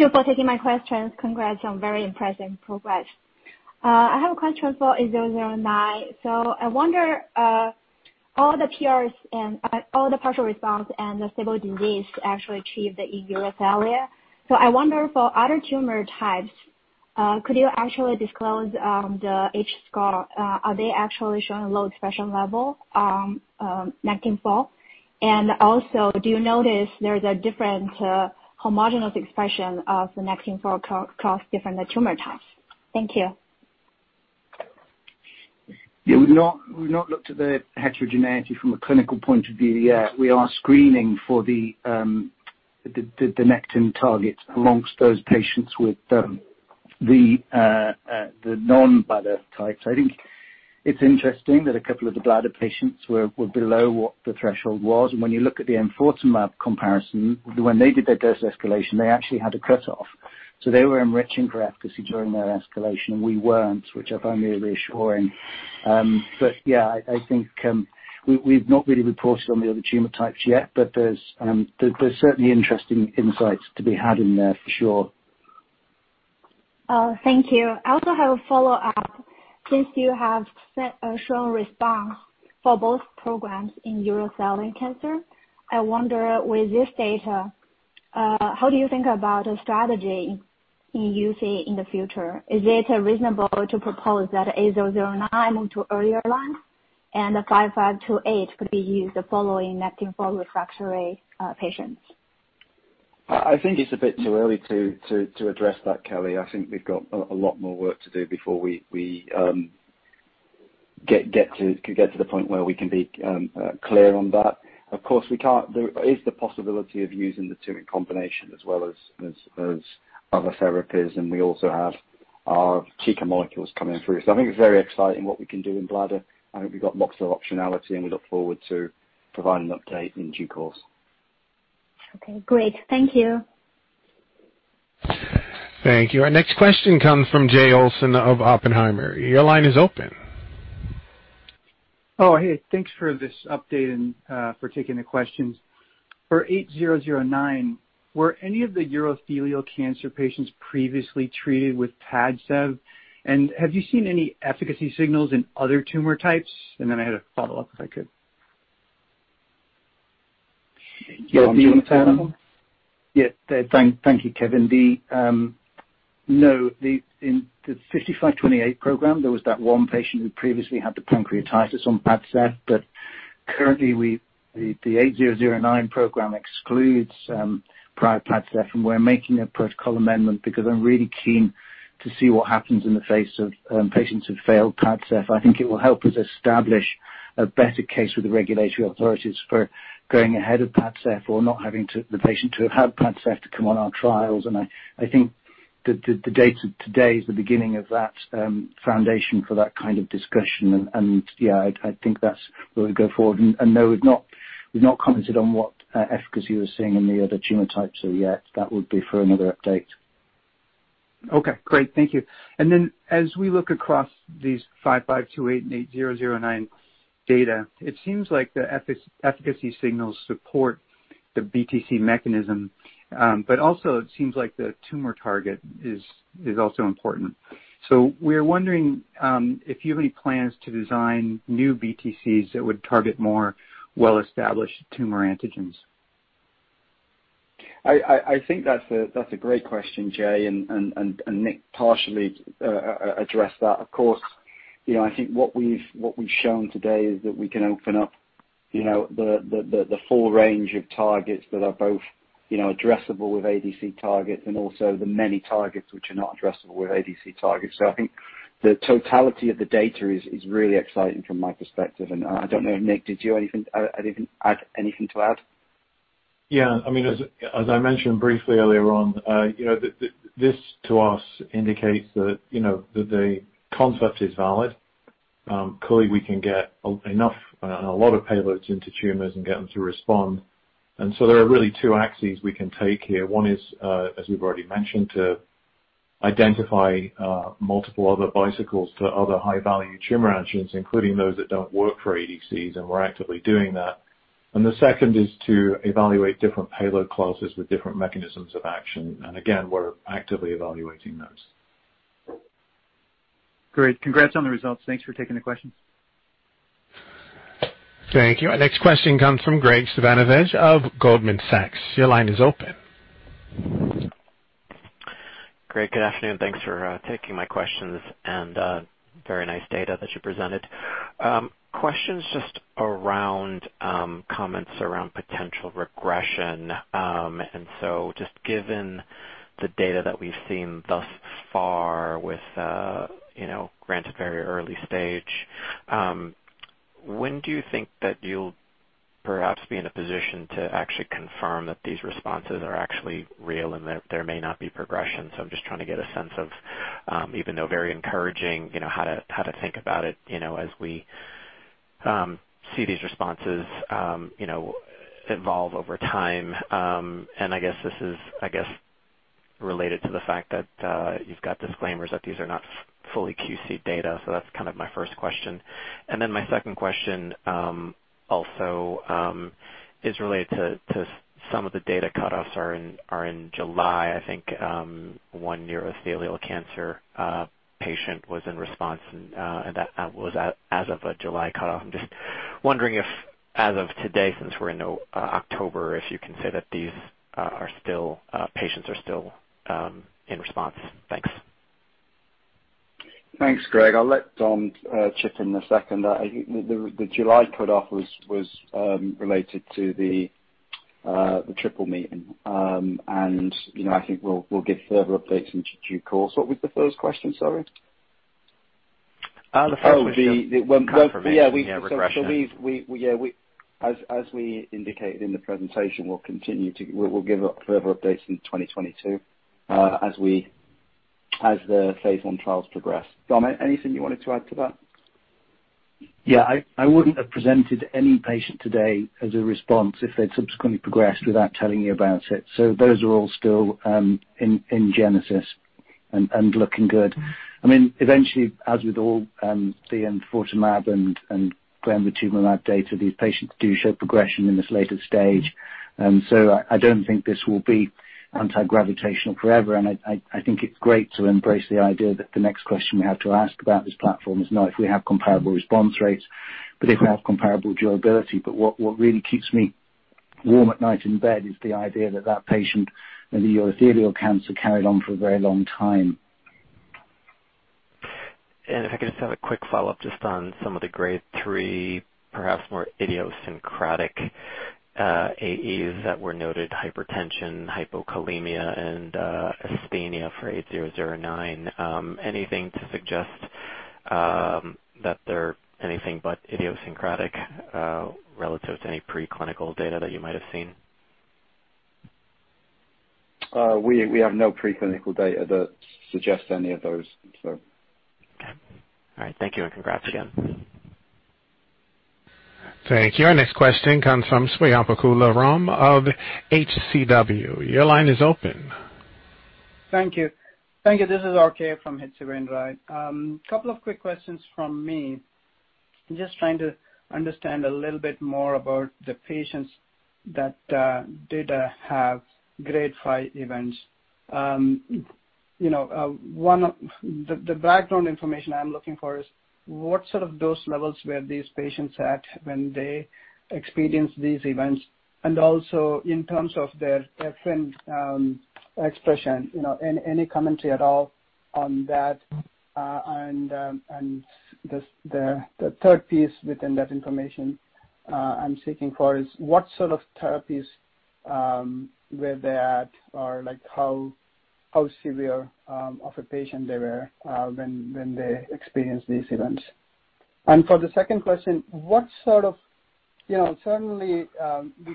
you for taking my questions. Congrats on very impressive progress. I have a question for BT8009. I wonder, all the PRs and all the partial response and the stable disease actually achieved the urothelia. I wonder for other tumor types, could you actually disclose the H-score? Are they actually showing a low expression level, Nectin-4? Also, do you notice there's a different homogenous expression of the Nectin-4 across different tumor types? Thank you. Yeah, we've not looked at the heterogeneity from a clinical point of view yet. We are screening for the Nectin target amongst those patients with the non-bladder types. I think it's interesting that a couple of the bladder patients were below what the threshold was. When you look at the enfortumab comparison, when they did their dose escalation, they actually had a cutoff. They were enriching for efficacy during their escalation, and we weren't, which I find really reassuring. Yeah, I think, we've not really reported on the other tumor types yet, but there's certainly interesting insights to be had in there, for sure. Thank you. I also have a follow-up. Since you have shown response for both programs in urothelial cancer, I wonder, with this data, how do you think about a strategy you see in the future? Is it reasonable to propose that AZ009 move to earlier line, and 5528 could be used following Nectin-4 refractory patients? I think it's a bit too early to address that, Kelly. I think we've got a lot more work to do before we could get to the point where we can be clear on that. Of course, there is the possibility of using the two in combination, as well as other therapies, and we also have our TICA molecules coming through. I think it's very exciting what we can do in bladder. I think we've got lots of optionality, and we look forward to providing an update in due course. Okay, great. Thank you. Thank you. Our next question comes from Jay Olson of Oppenheimer. Your line is open. Oh, hey. Thanks for this update and for taking the questions. For 8009, were any of the urothelial cancer patients previously treated with PADCEV? Have you seen any efficacy signals in other tumor types? I had a follow-up, if I could. Yeah. Do you want to take that one? Yeah. Thank you, Kevin. No, in the BT5528 program, there was that one patient who previously had the pancreatitis on PADCEV, currently, the BT8009 program excludes prior PADCEV, we're making a protocol amendment because I'm really keen to see what happens in the face of patients who've failed PADCEV. I think it will help us establish a better case with the regulatory authorities for going ahead of PADCEV or not having the patient to have had PADCEV to come on our trials. I think the data today is the beginning of that foundation for that kind of discussion. Yeah, I think that's where we go forward. No, we've not commented on what efficacy we're seeing in the other tumor types yet. That would be for another update. Okay, great. Thank you. As we look across these BT5528 and BT8009 data, it seems like the efficacy signals support the BTC mechanism. Also, it seems like the tumor target is also important. We're wondering if you have any plans to design new BTCs that would target more well-established tumor antigens. I think that's a great question, Jay. Nick partially addressed that. Of course, I think what we've shown today is that we can open up the full range of targets that are both addressable with ADC targets and also the many targets which are not addressable with ADC targets. I think the totality of the data is really exciting from my perspective. I don't know, Nick, did you have anything to add? As I mentioned briefly earlier on, this to us indicates that the concept is valid. Clearly, we can get enough and a lot of payloads into tumors and get them to respond. There are really two axes we can take here. One is, as we've already mentioned, to identify multiple other bicycles to other high-value tumor engines, including those that don't work for ADCs, and we're actively doing that. The second is to evaluate different payload classes with different mechanisms of action. Again, we're actively evaluating those. Great. Congrats on the results. Thanks for taking the question. Thank you. Our next question comes from Graig Suvannavejh of Goldman Sachs. Your line is open. Great. Good afternoon. Thanks for taking my questions and very nice data that you presented. Questions just around comments around potential regression. Just given the data that we've seen thus far with, granted, very early stage, when do you think that you'll perhaps be in a position to actually confirm that these responses are actually real and that there may not be progression? I'm just trying to get a sense of, even though very encouraging, how to think about it as we see these responses evolve over time. I guess this is related to the fact that you've got disclaimers that these are not fully QC'd data. That's my first question. My second question, also, is related to some of the data cutoffs are in July, I think, one urothelial cancer patient was in response, and that was as of a July cutoff. I'm just wondering if, as of today, since we're in October, if you can say that these patients are still in response? Thanks. Thanks, Graig. I'll let Dom chip in a second. I think the July cutoff was related to the Triple Meeting. I think we'll give further updates in due course. What was the first question? Sorry. The first was the- Oh, the- Confirmation. Yeah. Yeah, regression. As we indicated in the presentation, we'll give further updates in 2022 as the phase I trials progress. Dom, anything you wanted to add to that? I wouldn't have presented any patient today as a response if they'd subsequently progressed without telling you about it. Those are all still in genesis and looking good. Eventually, as with all the enfortumab and glembatumumab data, these patients do show progression in this later stage. I don't think this will be anti-gravitational forever, and I think it's great to embrace the idea that the next question we have to ask about this platform is not if we have comparable response rates, but if we have comparable durability. What really keeps me warm at night in bed is the idea that that patient with the urothelial cancer carried on for a very long time. If I could just have a quick follow-up just on some of the Grade 3, perhaps more idiosyncratic AEs that were noted, hypertension, hypokalemia, and asthenia for 8009. Anything to suggest that they are anything but idiosyncratic, relative to any preclinical data that you might have seen? We have no preclinical data that suggests any of those. Okay. All right. Thank you, and congrats again. Thank you. Our next question comes from Swayampakula Ramakanth of HCW. Your line is open. Thank you. Thank you. This is R.K. from H.C. Wainwright, right. Couple of quick questions from me. Just trying to understand a little bit more about the patients that did have Grade 5 events. The background information I'm looking for is what sort of dose levels were these patients at when they experienced these events? Also, in terms of their Nectin expression, any commentary at all on that? The third piece within that information I'm seeking for is what sort of therapies were they at, or how severe of a patient they were when they experienced these events? For the second question, certainly, we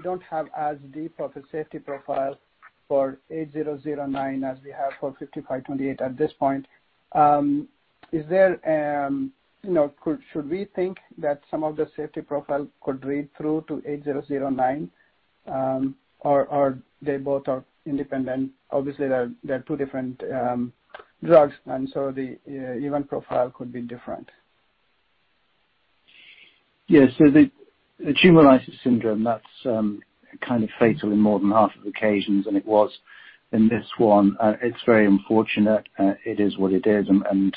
don't have as deep of a safety profile for 8009 as we have for 5528 at this point. Should we think that some of the safety profile could read through to 8009? They both are independent? Obviously, they're two different drugs, and so the event profile could be different. Yes. The tumor lysis syndrome, that's kind of fatal in more than half of occasions, and it was in this one. It's very unfortunate. It is what it is, and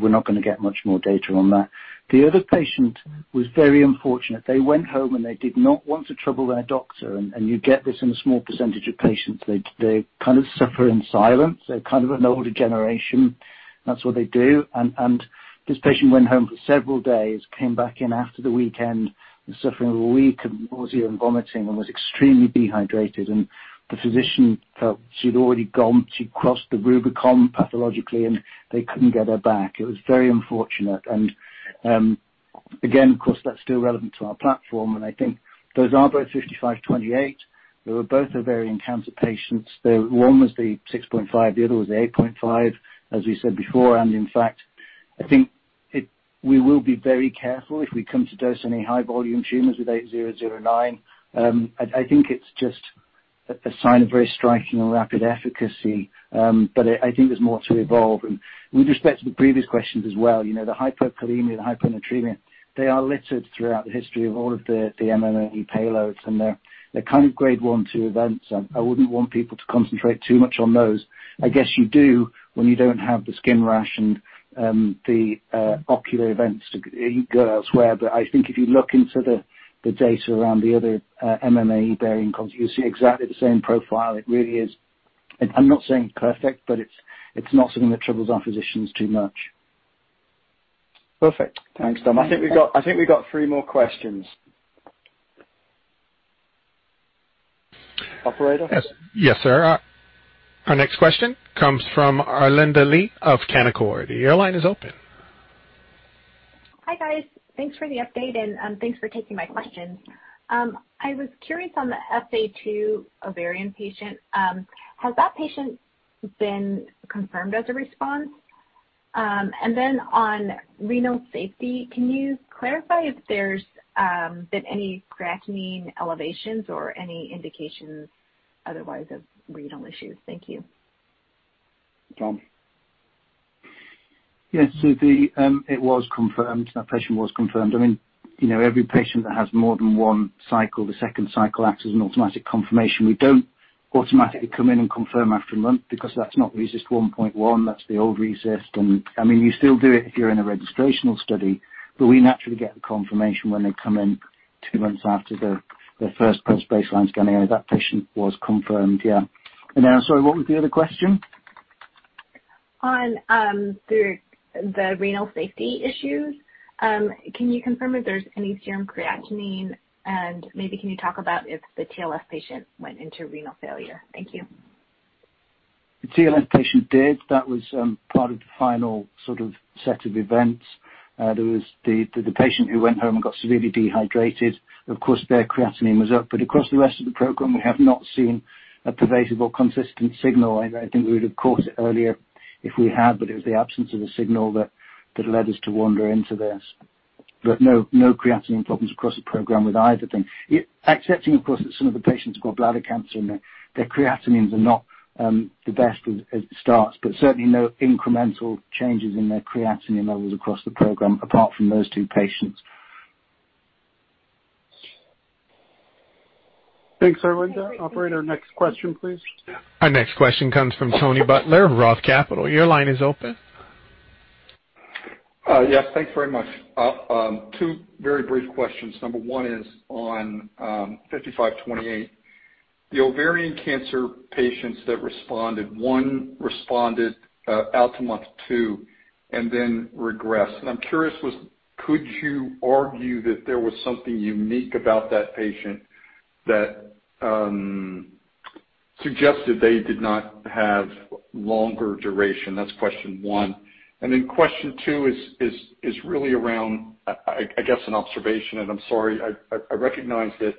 we're not going to get much more data on that. The other patient was very unfortunate. They went home, and they did not want to trouble their doctor. You get this in a small percentage of patients. They kind of suffer in silence. They're kind of an older generation. That's what they do. This patient went home for several days, came back in after the weekend, was suffering a week of nausea and vomiting and was extremely dehydrated. The physician felt she'd already crossed the Rubicon pathologically, and they couldn't get her back. It was very unfortunate. Again, of course, that's still relevant to our platform. I think those are both 5528. They were both ovarian cancer patients. One was the 6.5, the other was the 8.5, as we said before. In fact, I think we will be very careful if we come to dose any high volume tumors with 8009. I think it's just a sign of very striking rapid efficacy. I think there's more to evolve. With respect to the previous questions as well, the hypokalemia, the hyponatremia, they are littered throughout the history of all of the MMAE payloads, and they're kind of Grade 1, 2 events. I wouldn't want people to concentrate too much on those. I guess you do when you don't have the skin rash and the ocular events to go elsewhere. I think if you look into the data around the other MMAE bearing conjugates, you see exactly the same profile. I'm not saying perfect, but it's not something that troubles our physicians too much. Perfect. Thanks, Dom. I think we got three more questions. Operator? Yes, sir. Our next question comes from Arlinda Lee of Canaccord. Your line is open. Hi, guys. Thanks for the update and thanks for taking my question. I was curious on the EphA2 ovarian patient. Has that patient been confirmed as a response? On renal safety, can you clarify if there's been any creatinine elevations or any indications otherwise of renal issues? Thank you. Dom. Yes, it was confirmed. That patient was confirmed. Every patient that has more than one cycle, the second cycle acts as an automatic confirmation. We don't automatically come in and confirm after a month because that's not RECIST 1.1. That's the old RECIST. You still do it if you're in a registrational study, but we naturally get the confirmation when they come in two months after their first post-baseline scanning. That patient was confirmed, yeah. I'm sorry, what was the other question? On the renal safety issues, can you confirm if there's any serum creatinine and maybe can you talk about if the TLS patient went into renal failure? Thank you. The TLS patient did. That was part of the final sort of set of events. There was the patient who went home and got severely dehydrated. Of course, their creatinine was up. Across the rest of the program, we have not seen a pervasive or consistent signal. I think we would have caught it earlier if we had, but it was the absence of a signal that led us to wander into this. No creatinine problems across the program with either of them. Accepting, of course, that some of the patients have got bladder cancer and their creatinines are not the best as it starts, but certainly no incremental changes in their creatinine levels across the program, apart from those two patients. Thanks, Arlinda. Operator, next question, please. Our next question comes from Tony Butler of Roth Capital. Your line is open. Yes, thanks very much. Two very brief questions. Number one is on 5528. The ovarian cancer patients that responded, one responded out to month two and then regressed. I'm curious, could you argue that there was something unique about that patient that suggested they did not have longer duration? That's question one. Question two is really around, I guess, an observation. I'm sorry. I recognize that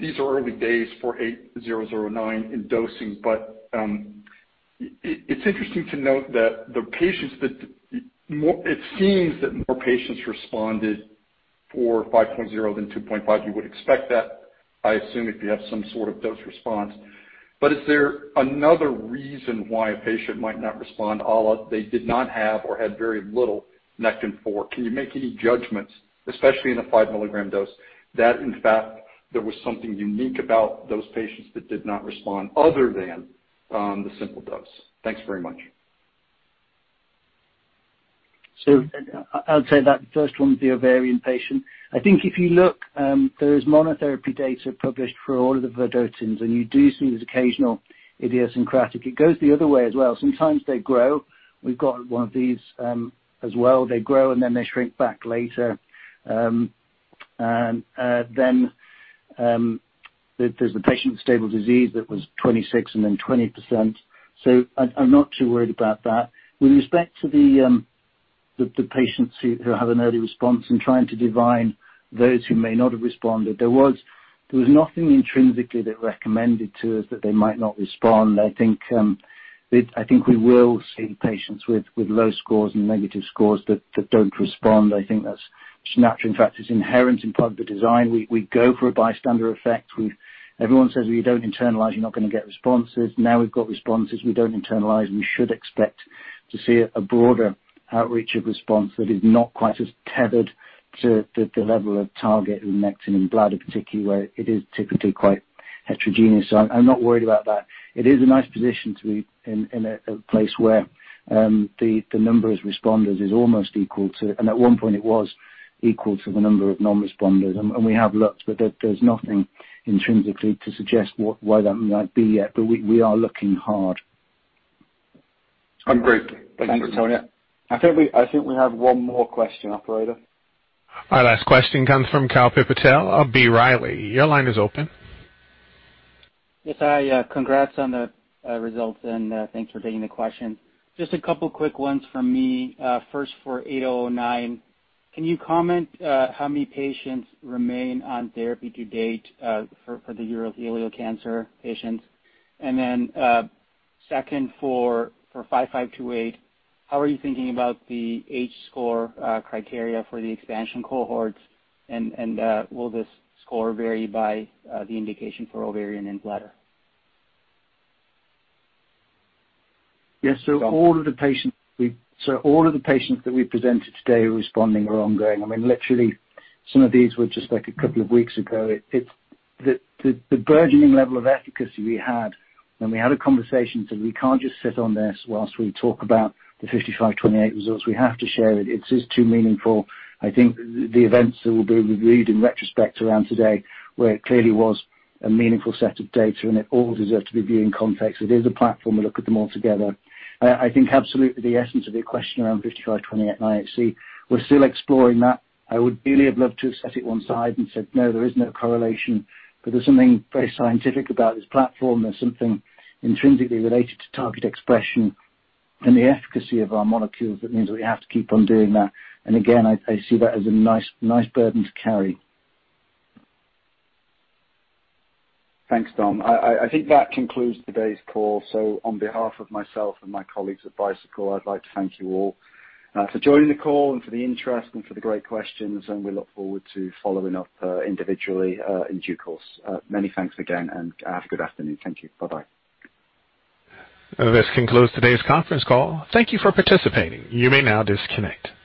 these are early days for 8009 in dosing, it's interesting to note that it seems that more patients responded for 5.0 than 2.5. You would expect that, I assume, if you have some sort of dose response. Is there another reason why a patient might not respond, ala they did not have or had very little Nectin-4? Can you make any judgments, especially in a 5-milligram dose, that in fact there was something unique about those patients that did not respond other than the simple dose? Thanks very much. I'll take that first one with the ovarian patient. I think if you look, there's monotherapy data published for all of the vedotins, and you do see this occasional idiosyncratic. It goes the other way as well. Sometimes they grow. We've got one of these as well. They grow and then they shrink back later. Then there's the patient with stable disease that was 26 and then 20%. I'm not too worried about that. With respect to the patients who have an early response and trying to divine those who may not have responded, there was nothing intrinsically that recommended to us that they might not respond. I think we will see patients with low scores and negative scores that don't respond. I think that's just natural. In fact, it's inherent in part of the design. We go for a bystander effect. Everyone says if you don't internalize, you're not going to get responses. Now we've got responses we don't internalize. We should expect to see a broader outreach of response that is not quite as tethered to the level of target with Nectin in bladder, particularly where it is typically quite heterogeneous. I'm not worried about that. It is a nice position to be in a place where the number of responders is almost equal to, and at one point it was equal to, the number of non-responders. We have looked. There's nothing intrinsically to suggest why that might be yet. We are looking hard. I'm great. Thank you. Thanks, Tony. I think we have one more question, operator. Our last question comes from Kalpit Patel of B. Riley. Your line is open. Yes, hi. Congrats on the results and thanks for taking the question. Just a couple quick ones from me. First for BT8009, can you comment how many patients remain on therapy to date for the urothelial cancer patients? Second for BT5528, how are you thinking about the H-score criteria for the expansion cohorts, and will this score vary by the indication for ovarian and bladder? Yes. All of the patients that we presented today responding are ongoing. Literally some of these were just like a couple of weeks ago. The burgeoning level of efficacy we had when we had a conversation said we can't just sit on this whilst we talk about the BT5528 results. We have to share it. It's just too meaningful. I think the events that will be reviewed in retrospect around today, where it clearly was a meaningful set of data and it all deserves to be viewed in context. It is a platform. We look at them all together. I think absolutely the essence of your question around BT5528 and IHC, we're still exploring that. I would really have loved to have set it one side and said, "No, there is no correlation," but there's something very scientific about this platform. There's something intrinsically related to target expression and the efficacy of our molecules that means that we have to keep on doing that. Again, I see that as a nice burden to carry. Thanks, Dom. I think that concludes today's call. On behalf of myself and my colleagues at Bicycle, I'd like to thank you all for joining the call and for the interest and for the great questions, and we look forward to following up individually in due course. Many thanks again, and good afternoon. Thank you. Bye-bye. This concludes today's conference call. Thank you for participating. You may now disconnect.